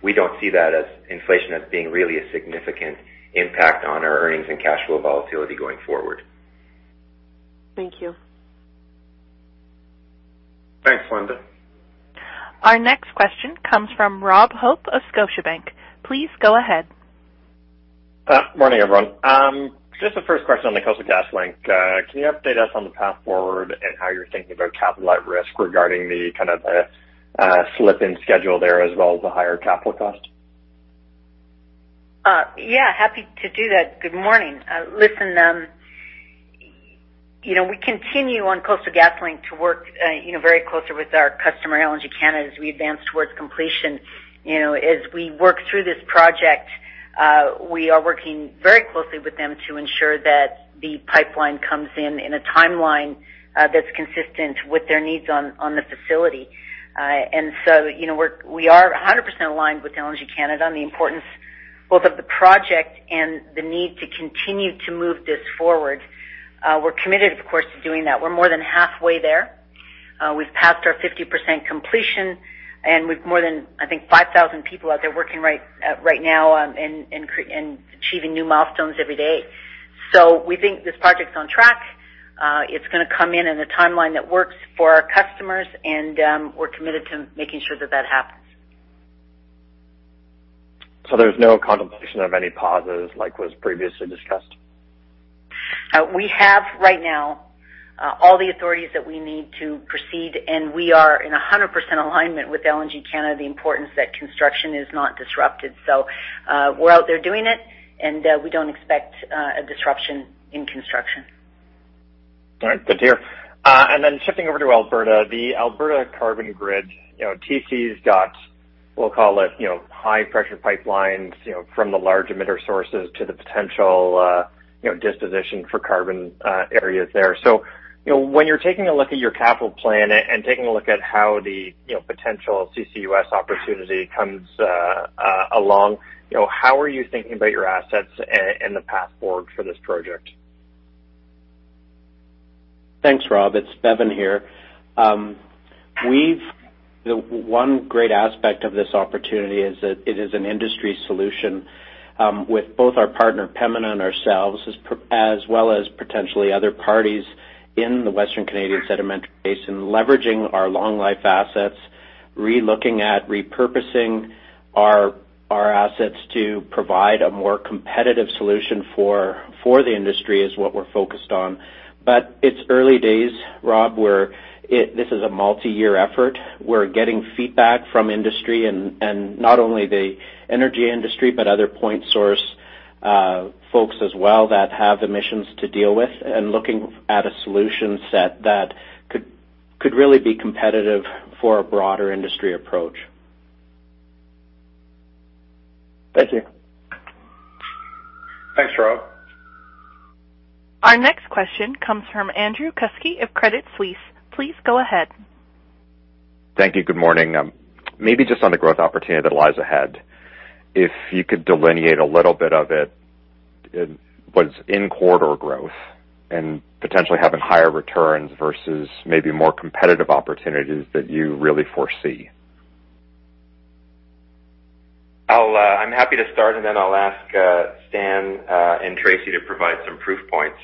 we don't see that as inflation as being really a significant impact on our earnings and cash flow volatility going forward. Thank you. Thanks, Linda. Our next question comes from Robert Hope of Scotiabank. Please go ahead. Morning, everyone. Just the first question on the Coastal GasLink. Can you update us on the path forward and how you're thinking about capital at risk regarding the kind of slip in schedule there as well as the higher capital cost? Yeah, happy to do that. Good morning. Listen, you know, we continue on Coastal GasLink to work, you know, very closely with our customer, LNG Canada, as we advance towards completion. You know, as we work through this project, we are working very closely with them to ensure that the pipeline comes in in a timeline that's consistent with their needs on the facility. You know, we are 100% aligned with LNG Canada on the importance both of the project and the need to continue to move this forward. We're committed, of course, to doing that. We're more than halfway there. We've passed our 50% completion, and we've more than, I think, 5,000 people out there working right now and achieving new milestones every day. We think this project's on track. It's gonna come in in a timeline that works for our customers, and we're committed to making sure that that happens. There's no contemplation of any pauses like was previously discussed? We have right now all the authorities that we need to proceed, and we are in 100% alignment with LNG Canada, the importance that construction is not disrupted. We're out there doing it, and we don't expect a disruption in construction. All right. Good to hear. Shifting over to Alberta, the Alberta Carbon Grid, you know, TC's got, we'll call it, you know, high pressure pipelines, you know, from the large emitter sources to the potential, you know, disposition for carbon areas there. You know, when you're taking a look at your capital plan and taking a look at how the, you know, potential CCUS opportunity comes along, you know, how are you thinking about your assets and the path forward for this project? Thanks, Rob. It's Bevin here. The one great aspect of this opportunity is that it is an industry solution, with both our partner, Pembina, and ourselves, as well as potentially other parties in the Western Canadian Sedimentary Basin, leveraging our long life assets, relooking at repurposing our assets to provide a more competitive solution for the industry is what we're focused on. It's early days, Rob. This is a multiyear effort. We're getting feedback from industry and not only the energy industry, but other point source folks as well that have emissions to deal with and looking at a solution set that could really be competitive for a broader industry approach. Thank you. Thanks, Rob. Our next question comes from Andrew Kuske of Credit Suisse. Please go ahead. Thank you. Good morning. Maybe just on the growth opportunity that lies ahead, if you could delineate a little bit of it, what's in corridor growth and potentially having higher returns versus maybe more competitive opportunities that you really foresee. I'm happy to start, and then I'll ask Stan and Tracy to provide some proof points.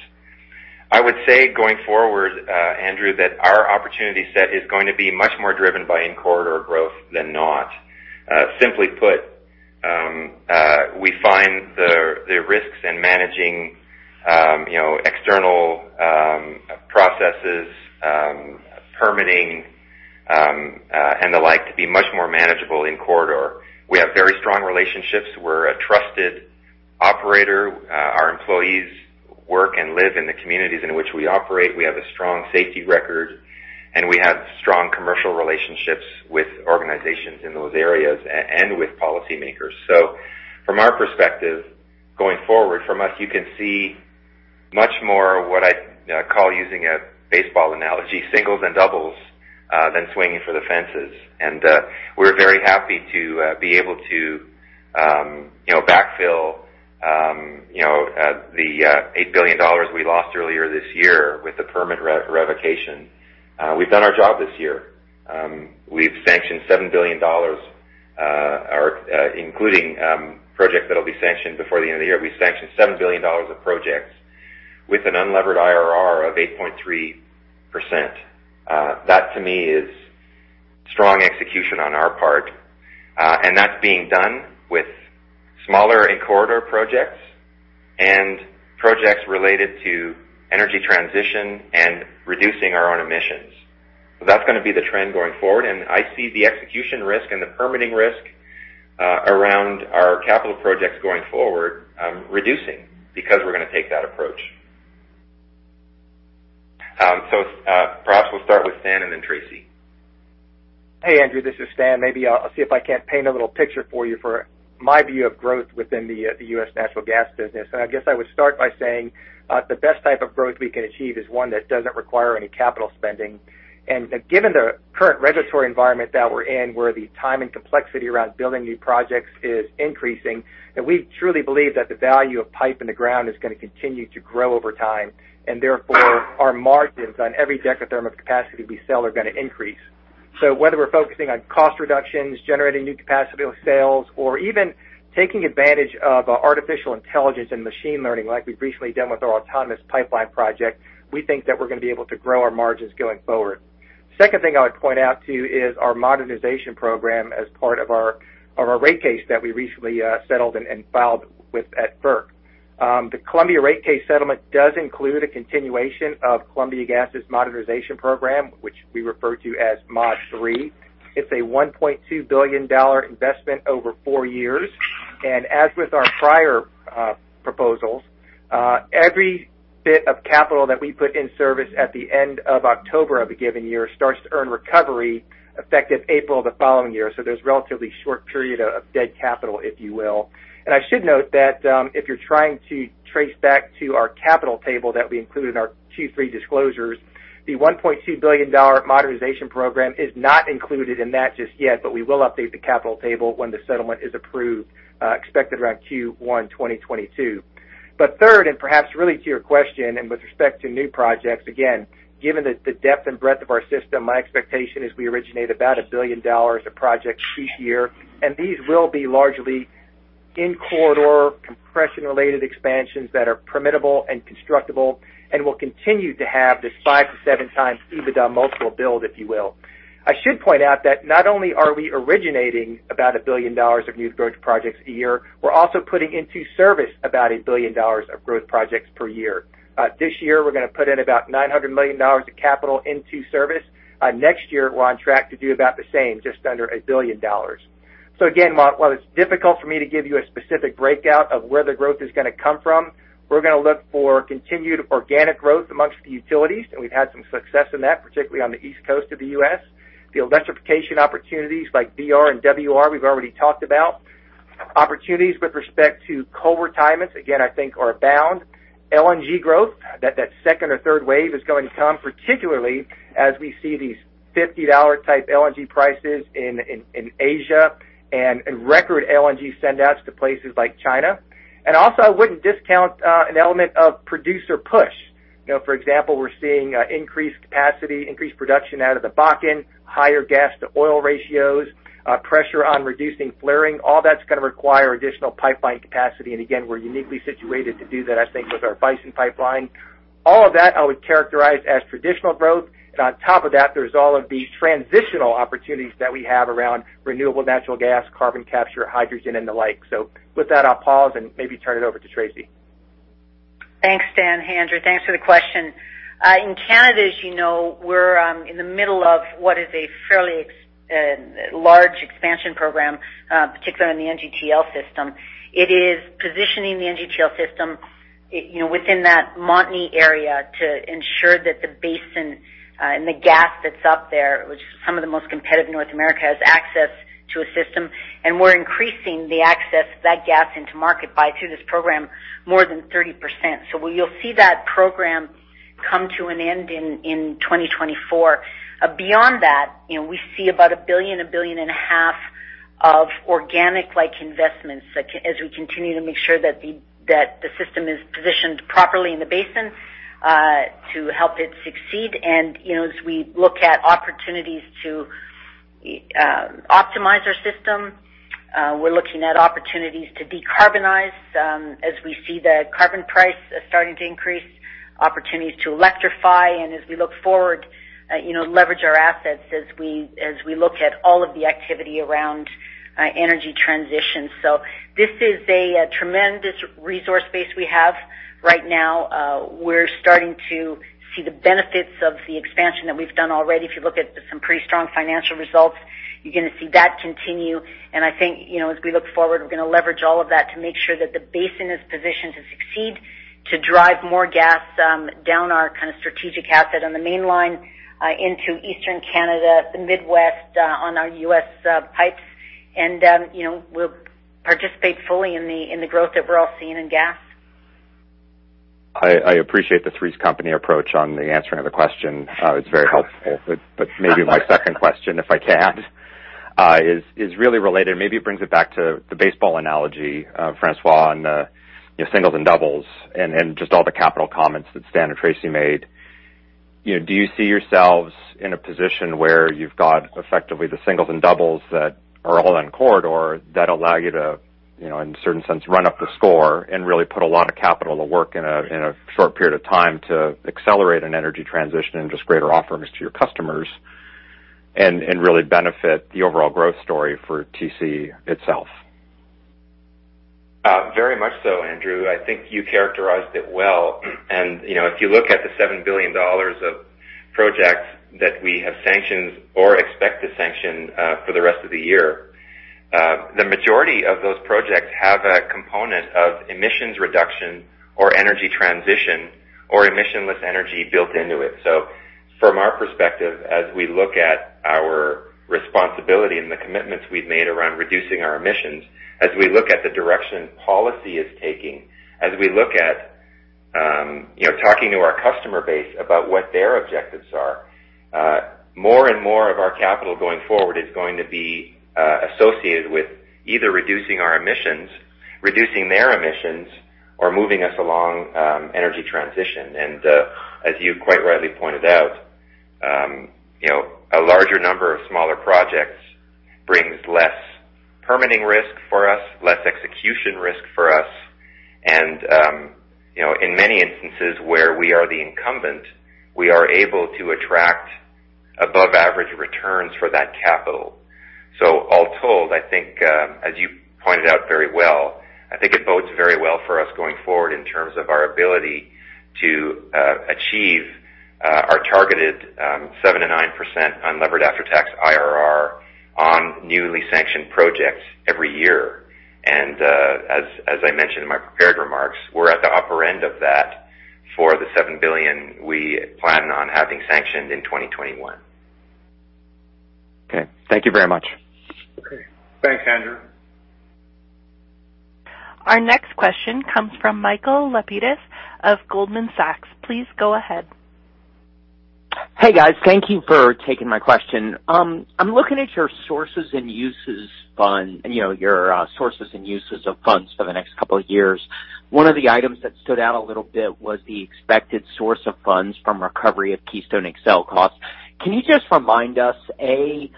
I would say going forward, Andrew, that our opportunity set is going to be much more driven by in corridor growth than not. Simply put, we find the risks in managing, you know, external processes, permitting, and the like to be much more manageable in corridor. We have very strong relationships. We're a trusted operator. Our employees work and live in the communities in which we operate. We have a strong safety record, and we have strong commercial relationships with organizations in those areas and with policymakers. From our perspective, going forward from us, you can see much more what I, you know, call using a baseball analogy, singles and doubles, than swinging for the fences. We're very happy to be able to backfill the 8 billion dollars we lost earlier this year with the permit revocation. We've done our job this year. We've sanctioned 7 billion dollars, including projects that'll be sanctioned before the end of the year. We've sanctioned 7 billion dollars of projects with an unlevered IRR of 8.3%. That to me is strong execution on our part. And that's being done with smaller in-corridor projects and projects related to energy transition and reducing our own emissions. That's gonna be the trend going forward, and I see the execution risk and the permitting risk around our capital projects going forward reducing because we're gonna take that approach. Perhaps we'll start with Stan and then Tracy. Hey, Andrew. This is Stan. Maybe I'll see if I can't paint a little picture for you for my view of growth within the U.S. natural gas business. I guess I would start by saying the best type of growth we can achieve is one that doesn't require any capital spending. Given the current regulatory environment that we're in, where the time and complexity around building new projects is increasing, we truly believe that the value of pipe in the ground is gonna continue to grow over time, and therefore, our margins on every dekatherm of capacity we sell are gonna increase. Whether we're focusing on cost reductions, generating new capacity with sales or even taking advantage of artificial intelligence and machine learning, like we've recently done with our Autonomous Pipeline project, we think that we're gonna be able to grow our margins going forward. Second thing I would point out to you is our modernization program as part of our rate case that we recently settled and filed with FERC. The Columbia rate case settlement does include a continuation of Columbia Gas's modernization program, which we refer to as Mod III. It's a 1.2 billion dollar investment over four years. As with our prior proposals Every bit of capital that we put in service at the end of October of a given year starts to earn recovery effective April the following year. So there's relatively short period of dead capital, if you will. I should note that, if you're trying to trace back to our capital table that we include in our Q3 disclosures, the 1.2 billion dollar modernization program is not included in that just yet, but we will update the capital table when the settlement is approved, expected around Q1 2022. Third, and perhaps really to your question and with respect to new projects, again, given the depth and breadth of our system, my expectation is we originate about 1 billion dollars of projects each year, and these will be largely in corridor compression-related expansions that are permittable and constructable and will continue to have this 5x-7x EBITDA multiple build, if you will. I should point out that not only are we originating about 1 billion dollars of new growth projects a year, we're also putting into service about 1 billion dollars of growth projects per year. This year, we're gonna put in about 900 million dollars of capital into service. Next year, we're on track to do about the same, just under 1 billion dollars. Again, while it's difficult for me to give you a specific breakdown of where the growth is gonna come from, we're gonna look for continued organic growth among the utilities, and we've had some success in that, particularly on the East Coast of the U.S. The electrification opportunities like DR and WR, we've already talked about. Opportunities with respect to coal retirements, again, I think abound. LNG growth, that second or third wave is going to come, particularly as we see these $50 type LNG prices in Asia and in record LNG sendouts to places like China. Also, I wouldn't discount an element of producer push. You know, for example, we're seeing increased capacity, increased production out of the Bakken, higher gas to oil ratios, pressure on reducing flaring. All that's gonna require additional pipeline capacity. Again, we're uniquely situated to do that, I think with our Bison Pipeline. All of that I would characterize as traditional growth. On top of that, there's all of these transitional opportunities that we have around renewable natural gas, carbon capture, hydrogen, and the like. With that, I'll pause and maybe turn it over to Tracy. Thanks, Stan. Andrew, thanks for the question. In Canada, as you know, we're in the middle of what is a fairly large expansion program, particularly in the NGTL system. It is positioning the NGTL system, you know, within that Montney area to ensure that the basin and the gas that's up there, which is some of the most competitive in North America, has access to a system. We're increasing the access to that gas to markets through this program more than 30%. You'll see that program come to an end in 2024. Beyond that, you know, we see about 1.5 billion of organic-like investments that can, as we continue to make sure that the system is positioned properly in the basin to help it succeed. You know, as we look at opportunities to optimize our system, we're looking at opportunities to decarbonize, as we see the carbon price starting to increase, opportunities to electrify. As we look forward, you know, leverage our assets as we look at all of the activity around energy transition. This is a tremendous resource base we have right now. We're starting to see the benefits of the expansion that we've done already. If you look at some pretty strong financial results, you're gonna see that continue. I think, you know, as we look forward, we're gonna leverage all of that to make sure that the basin is positioned to succeed, to drive more gas down our kind of strategic asset on the main line into Eastern Canada, the Midwest on our U.S. pipes. You know, we'll participate fully in the growth that we're all seeing in gas. I appreciate the three's company approach on the answering of the question. It's very helpful. Maybe my second question, if I can, is really related. Maybe it brings it back to the baseball analogy, François, on, you know, singles and doubles and just all the capital comments that Stan and Tracy made. You know, do you see yourselves in a position where you've got effectively the singles and doubles that are all on corridor that allow you to, you know, in a certain sense, run up the score and really put a lot of capital to work in a short period of time to accelerate an energy transition and just greater offerings to your customers and really benefit the overall growth story for TC itself? Very much so, Andrew. I think you characterized it well. You know, if you look at the 7 billion dollars of projects that we have sanctioned or expect to sanction for the rest of the year, the majority of those projects have a component of emissions reduction or energy transition or emissionless energy built into it. From our perspective, as we look at our responsibility and the commitments we've made around reducing our emissions, as we look at the direction policy is taking, as we look at you know, talking to our customer base about what their objectives are, more and more of our capital going forward is going to be associated with either reducing our emissions, reducing their emissions, or moving us along energy transition. As you quite rightly pointed out, you know, a larger number of smaller projects brings less permitting risk for us, less execution risk for us. You know, in many instances where we are the incumbent, we are able to attract above average returns for that capital. All told, I think, as you pointed out very well, I think it bodes very well for us going forward in terms of our ability to achieve our targeted 7%-9% unlevered after-tax IRR. Newly sanctioned projects every year. As I mentioned in my prepared remarks, we're at the upper end of that for the 7 billion we plan on having sanctioned in 2021. Okay. Thank you very much. Okay. Thanks, Andrew. Our next question comes from Michael Lapides of Goldman Sachs. Please go ahead. Hey, guys. Thank you for taking my question. I'm looking at your sources and uses of funds for the next couple of years. One of the items that stood out a little bit was the expected source of funds from recovery of Keystone XL costs. Can you just remind us, A,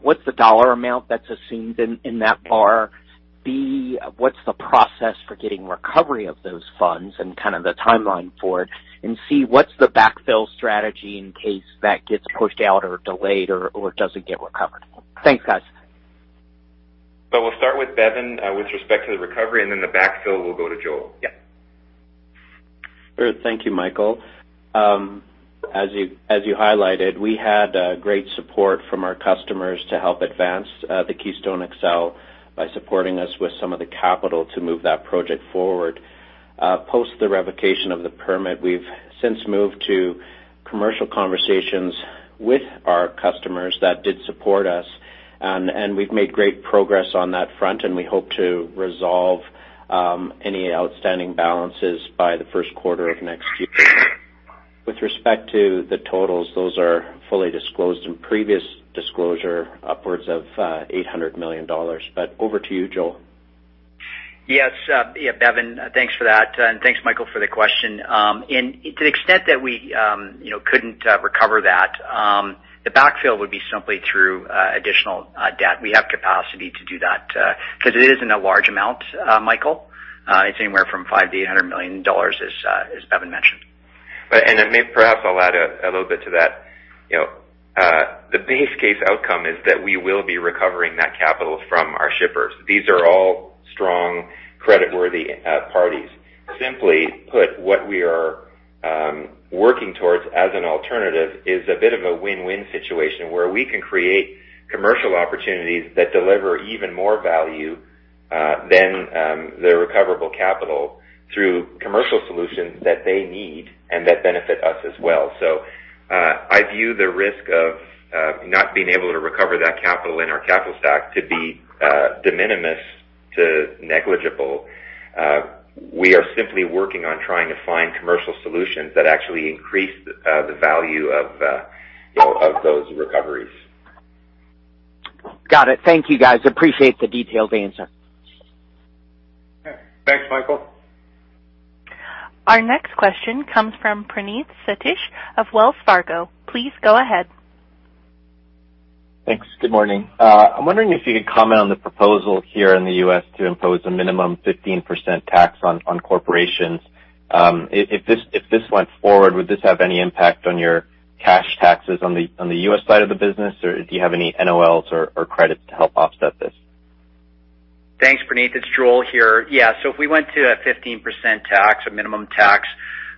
what's the dollar amount that's assumed in that bar? B, what's the process for getting recovery of those funds and kind of the timeline for it? And C, what's the backfill strategy in case that gets pushed out or delayed or doesn't get recovered? Thanks, guys. We'll start with Bevin with respect to the recovery, and then the backfill will go to Joel. Yeah. Sure. Thank you, Michael. As you highlighted, we had great support from our customers to help advance the Keystone XL by supporting us with some of the capital to move that project forward. Post the revocation of the permit, we've since moved to commercial conversations with our customers that did support us, and we've made great progress on that front, and we hope to resolve any outstanding balances by the first quarter of next year. With respect to the totals, those are fully disclosed in previous disclosure, upwards of 800 million dollars. Over to you, Joel. Yes. Yeah, Bevin, thanks for that, and thanks, Michael, for the question. To the extent that we, you know, couldn't recover that, the backfill would be simply through additional debt. We have capacity to do that, 'cause it isn't a large amount, Michael. It's anywhere from 500 million-800 million dollars, as Bevin mentioned. Right. Perhaps I'll add a little bit to that. You know, the base case outcome is that we will be recovering that capital from our shippers. These are all strong creditworthy parties. Simply put, what we are working towards as an alternative is a bit of a win-win situation where we can create commercial opportunities that deliver even more value than the recoverable capital through commercial solutions that they need and that benefit us as well. I view the risk of not being able to recover that capital in our capital stack to be de minimis to negligible. We are simply working on trying to find commercial solutions that actually increase the value of, you know, of those recoveries. Got it. Thank you, guys. Appreciate the detailed answer. Okay. Thanks, Michael. Our next question comes from Praneeth Satish of Wells Fargo. Please go ahead. Thanks. Good morning. I'm wondering if you could comment on the proposal here in the U.S. to impose a minimum 15% tax on corporations. If this went forward, would this have any impact on your cash taxes on the U.S. side of the business? Or do you have any NOLs or credits to help offset this? Thanks, Praneeth. It's Joel here. Yeah. If we went to a 15% tax, a minimum tax,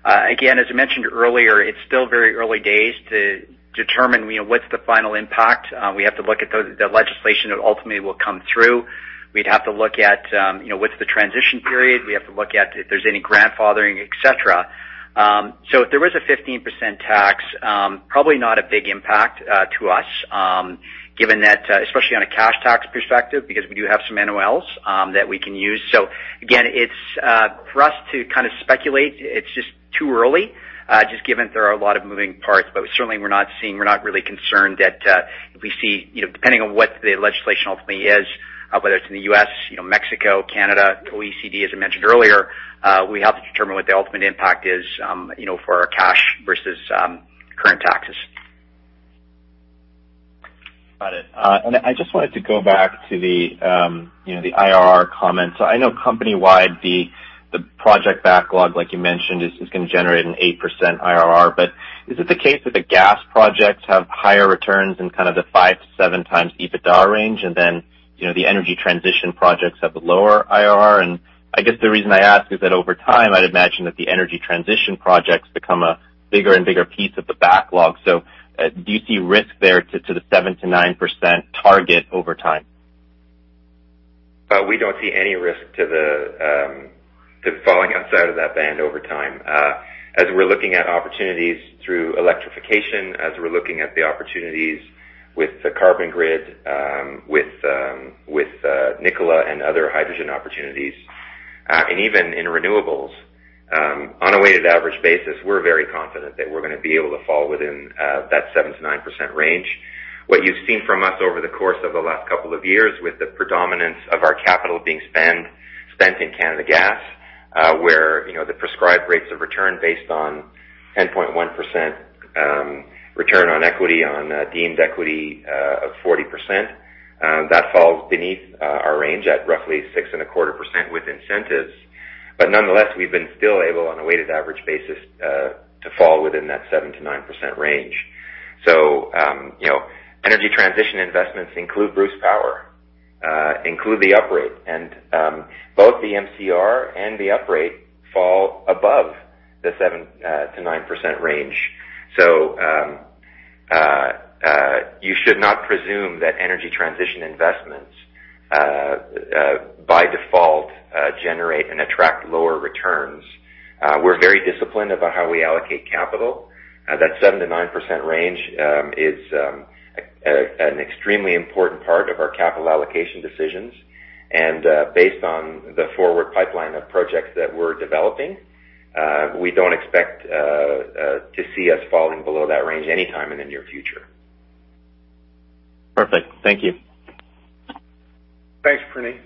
again, as I mentioned earlier, it's still very early days to determine, you know, what's the final impact. We have to look at the legislation that ultimately will come through. We'd have to look at, you know, what's the transition period. We have to look at if there's any grandfathering, et cetera. If there is a 15% tax, probably not a big impact to us, given that, especially on a cash tax perspective, because we do have some NOLs that we can use. Again, it's for us to kind of speculate, it's just too early, just given there are a lot of moving parts. Certainly we're not really concerned that, if we see, you know, depending on what the legislation ultimately is, whether it's in the U.S., you know, Mexico, Canada, OECD, as I mentioned earlier, we have to determine what the ultimate impact is, you know, for our cash versus current taxes. Got it. I just wanted to go back to you know, the IRR comments. I know company-wide, the project backlog, like you mentioned, is gonna generate an 8% IRR. Is it the case that the gas projects have higher returns in kind of the 5x-7x EBITDA range, and then, you know, the energy transition projects have a lower IRR? I guess the reason I ask is that over time, I'd imagine that the energy transition projects become a bigger and bigger piece of the backlog. Do you see risk there to the 7%-9% target over time? We don't see any risk to falling outside of that band over time. As we're looking at opportunities through electrification, as we're looking at the opportunities with the carbon grid, with Nikola and other hydrogen opportunities, and even in renewables, on a weighted average basis, we're very confident that we're gonna be able to fall within that 7%-9% range. What you've seen from us over the course of the last couple of years with the predominance of our capital being spent in Canada Gas, where, you know, the prescribed rates of return based on 10.1% return on equity on deemed equity of 40%, that falls beneath our range at roughly 6.25% with incentives, nonetheless, we've been still able on a weighted average basis to fall within that 7%-9% range. You know, energy transition investments include Bruce Power Include the uprate. Both the MCR and the uprate fall above the 7%-9% range. You should not presume that energy transition investments by default generate and attract lower returns. We're very disciplined about how we allocate capital. That 7%-9% range is an extremely important part of our capital allocation decisions. Based on the forward pipeline of projects that we're developing, we don't expect to see us falling below that range anytime in the near future. Perfect. Thank you. Thanks, Praneeth.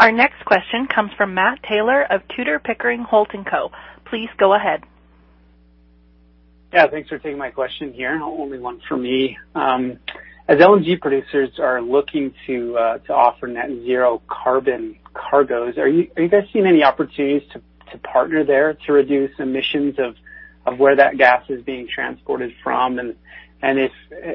Our next question comes from Matt Taylor of Tudor, Pickering, Holt & Co. Please go ahead. Yeah, thanks for taking my question, Kieran. Only one for me. As LNG producers are looking to offer net zero carbon cargoes, are you guys seeing any opportunities to partner there to reduce emissions of where that gas is being transported from?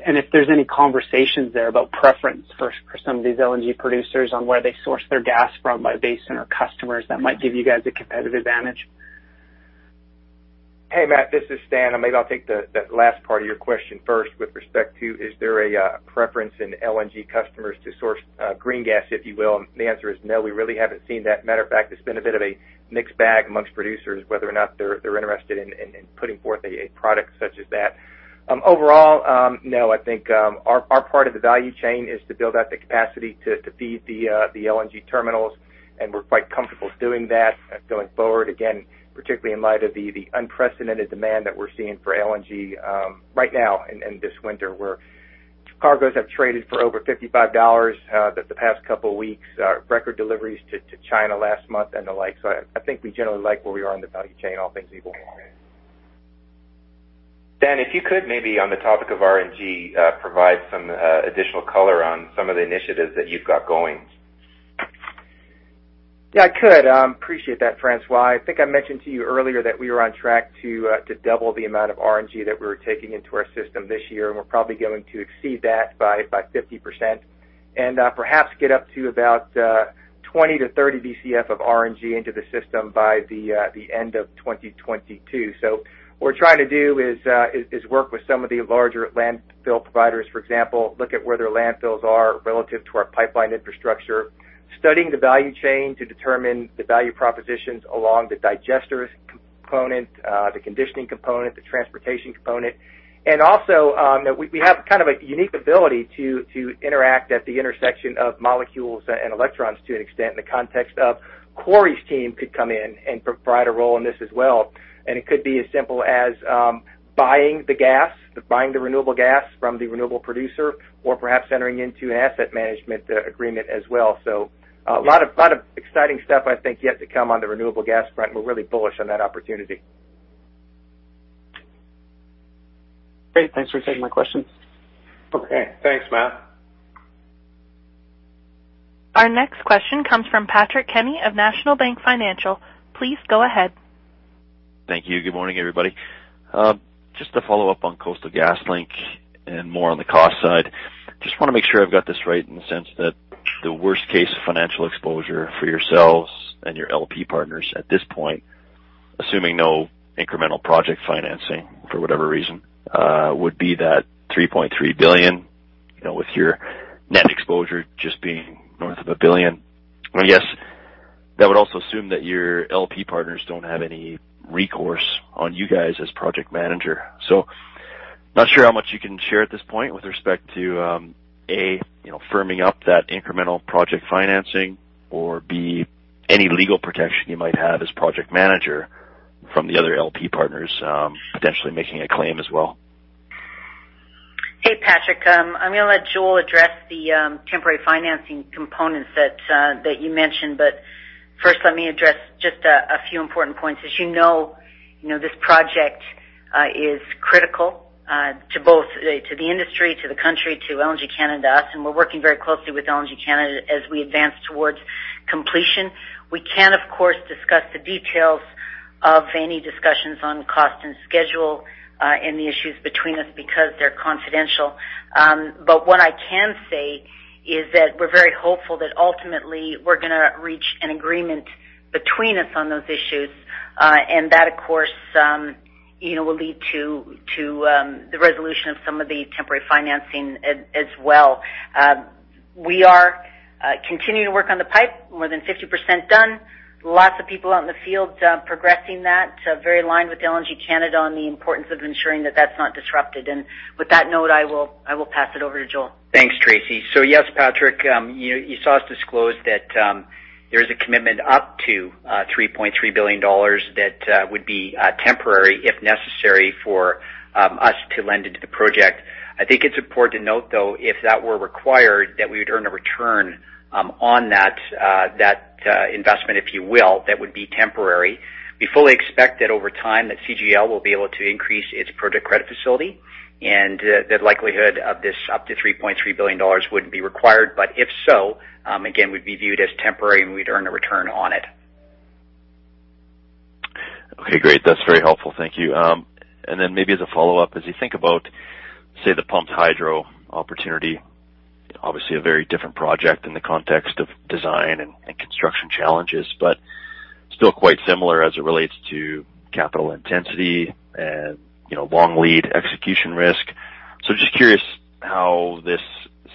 If there's any conversations there about preference for some of these LNG producers on where they source their gas from by basin or customers that might give you guys a competitive advantage. Hey, Matt, this is Stan. Maybe I'll take the last part of your question first with respect to is there a preference in LNG customers to source green gas, if you will. The answer is no. We really haven't seen that. Matter of fact, it's been a bit of a mixed bag amongst producers, whether or not they're interested in putting forth a product such as that. Overall, no. I think, our part of the value chain is to build out the capacity to feed the LNG terminals, and we're quite comfortable doing that going forward, again, particularly in light of the unprecedented demand that we're seeing for LNG, right now in this winter, where cargoes have traded for over $55 the past couple of weeks, record deliveries to China last month and the like. I think we generally like where we are in the value chain, all things being well. Stan, if you could maybe on the topic of RNG, provide some additional color on some of the initiatives that you've got going. Yeah, I could. Appreciate that, François. I think I mentioned to you earlier that we were on track to double the amount of RNG that we were taking into our system this year, and we're probably going to exceed that by 50% and perhaps get up to about 20-30 BCF of RNG into the system by the end of 2022. What we're trying to do is work with some of the larger landfill providers, for example, look at where their landfills are relative to our pipeline infrastructure, studying the value chain to determine the value propositions along the digester component, the conditioning component, the transportation component. Also, we have kind of a unique ability to interact at the intersection of molecules and electrons to an extent in the context of Corey's team could come in and provide a role in this as well. It could be as simple as buying the gas, buying the renewable gas from the renewable producer or perhaps entering into an asset management agreement as well. A lot of exciting stuff, I think, yet to come on the renewable gas front. We're really bullish on that opportunity. Great. Thanks for taking my questions. Okay. Thanks, Matt. Our next question comes from Patrick Kenny of National Bank Financial. Please go ahead. Thank you. Good morning, everybody. Just to follow up on Coastal GasLink and more on the cost side. Just wanna make sure I've got this right in the sense that the worst-case financial exposure for yourselves and your LP partners at this point, assuming no incremental project financing for whatever reason, would be that 3.3 billion, you know, with your net exposure just being north of 1 billion. I guess that would also assume that your LP partners don't have any recourse on you guys as project manager. Not sure how much you can share at this point with respect to, A, you know, firming up that incremental project financing or B, any legal protection you might have as project manager from the other LP partners, potentially making a claim as well. Hey, Patrick. I'm gonna let Joel address the temporary financing components that you mentioned. First, let me address just a few important points. As you know, you know, this project is critical to both, to the industry, to the country, to LNG Canada, us, and we're working very closely with LNG Canada as we advance towards completion. We can, of course, discuss the details of any discussions on cost and schedule and the issues between us because they're confidential. What I can say is that we're very hopeful that ultimately we're gonna reach an agreement between us on those issues and that, of course, you know, will lead to the resolution of some of the temporary financing as well. We are continuing to work on the pipe, more than 50% done. Lots of people out in the field progressing that, very aligned with LNG Canada on the importance of ensuring that that's not disrupted. With that note, I will pass it over to Joel. Thanks, Tracy. Yes, Patrick, you saw us disclose that, there's a commitment up to 3.3 billion dollars that would be temporary if necessary for us to lend into the project. I think it's important to note, though, if that were required, that we would earn a return on that investment, if you will, that would be temporary. We fully expect that over time CGL will be able to increase its project credit facility, and the likelihood of this up to 3.3 billion dollars wouldn't be required. If so, again, we'd be viewed as temporary, and we'd earn a return on it. Okay, great. That's very helpful. Thank you. Maybe as a follow-up, as you think about, say, the pumped hydro opportunity, obviously a very different project in the context of design and construction challenges, but still quite similar as it relates to capital intensity and, you know, long lead execution risk. Just curious how this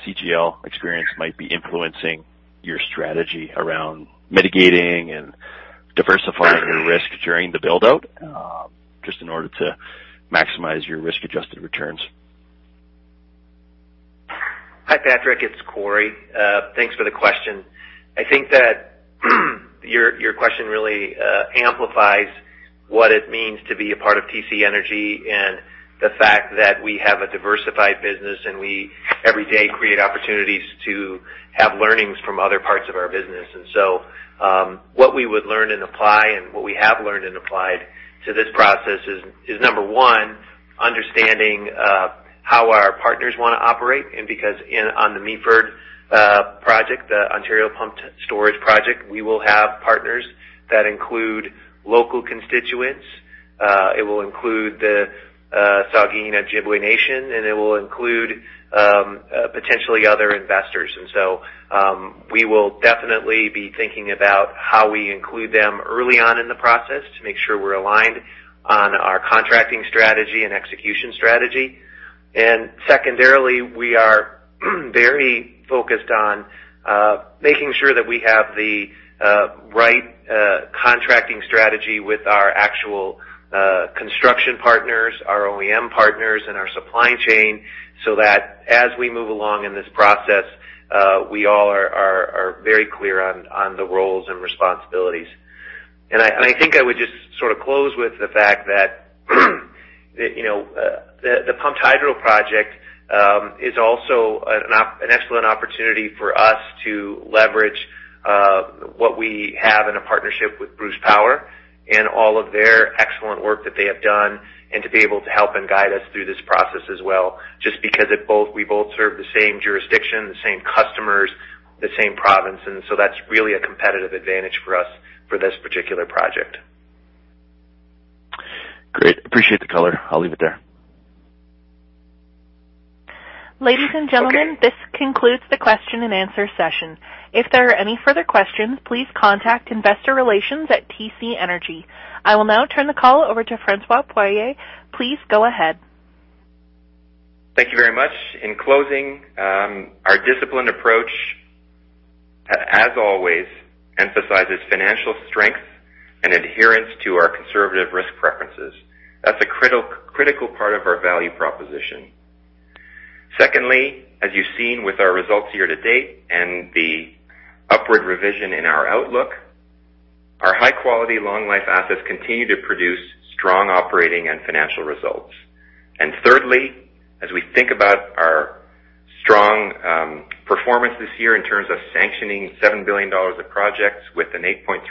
CGL experience might be influencing your strategy around mitigating and diversifying your risk during the build-out, just in order to maximize your risk-adjusted returns. Hi, Patrick. It's Corey. Thanks for the question. I think that your question really amplifies what it means to be a part of TC Energy and the fact that we have a diversified business, and we every day create opportunities to have learnings from other parts of our business. What we would learn and apply and what we have learned and applied to this process is number one, understanding how our partners wanna operate. Because on the Meaford project, the Ontario Pumped Storage Project, we will have partners that include local constituents. It will include the Saugeen Ojibway Nation, and it will include potentially other investors. We will definitely be thinking about how we include them early on in the process to make sure we're aligned on our contracting strategy and execution strategy. Secondarily, we are very focused on making sure that we have the right contracting strategy with our actual construction partners, our OEM partners, and our supply chain, so that as we move along in this process, we all are very clear on the roles and responsibilities. I think I would just sort of close with the fact that, you know, the pumped hydro project is also an excellent opportunity for us to leverage what we have in a partnership with Bruce Power and all of their excellent work that they have done and to be able to help and guide us through this process as well, just because we both serve the same jurisdiction, the same customers, the same province. That's really a competitive advantage for us for this particular project. Great. Appreciate the color. I'll leave it there. Ladies and gentlemen. Okay. This concludes the question-and-answer session. If there are any further questions, please contact investor relations at TC Energy. I will now turn the call over to François Poirier. Please go ahead. Thank you very much. In closing, our disciplined approach as always emphasizes financial strength and adherence to our conservative risk preferences. That's a critical part of our value proposition. Secondly, as you've seen with our results year to date and the upward revision in our outlook, our high-quality long life assets continue to produce strong operating and financial results. Thirdly, as we think about our strong performance this year in terms of sanctioning 7 billion dollars of projects with an 8.3%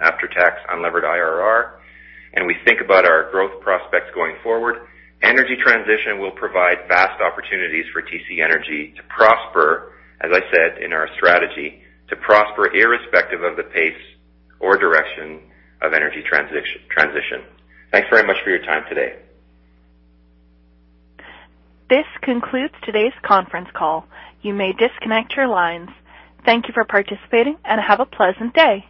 after-tax unlevered IRR, and we think about our growth prospects going forward, energy transition will provide vast opportunities for TC Energy to prosper, as I said in our strategy, to prosper irrespective of the pace or direction of energy transition. Thanks very much for your time today. This concludes today's conference call. You may disconnect your lines. Thank you for participating, and have a pleasant day.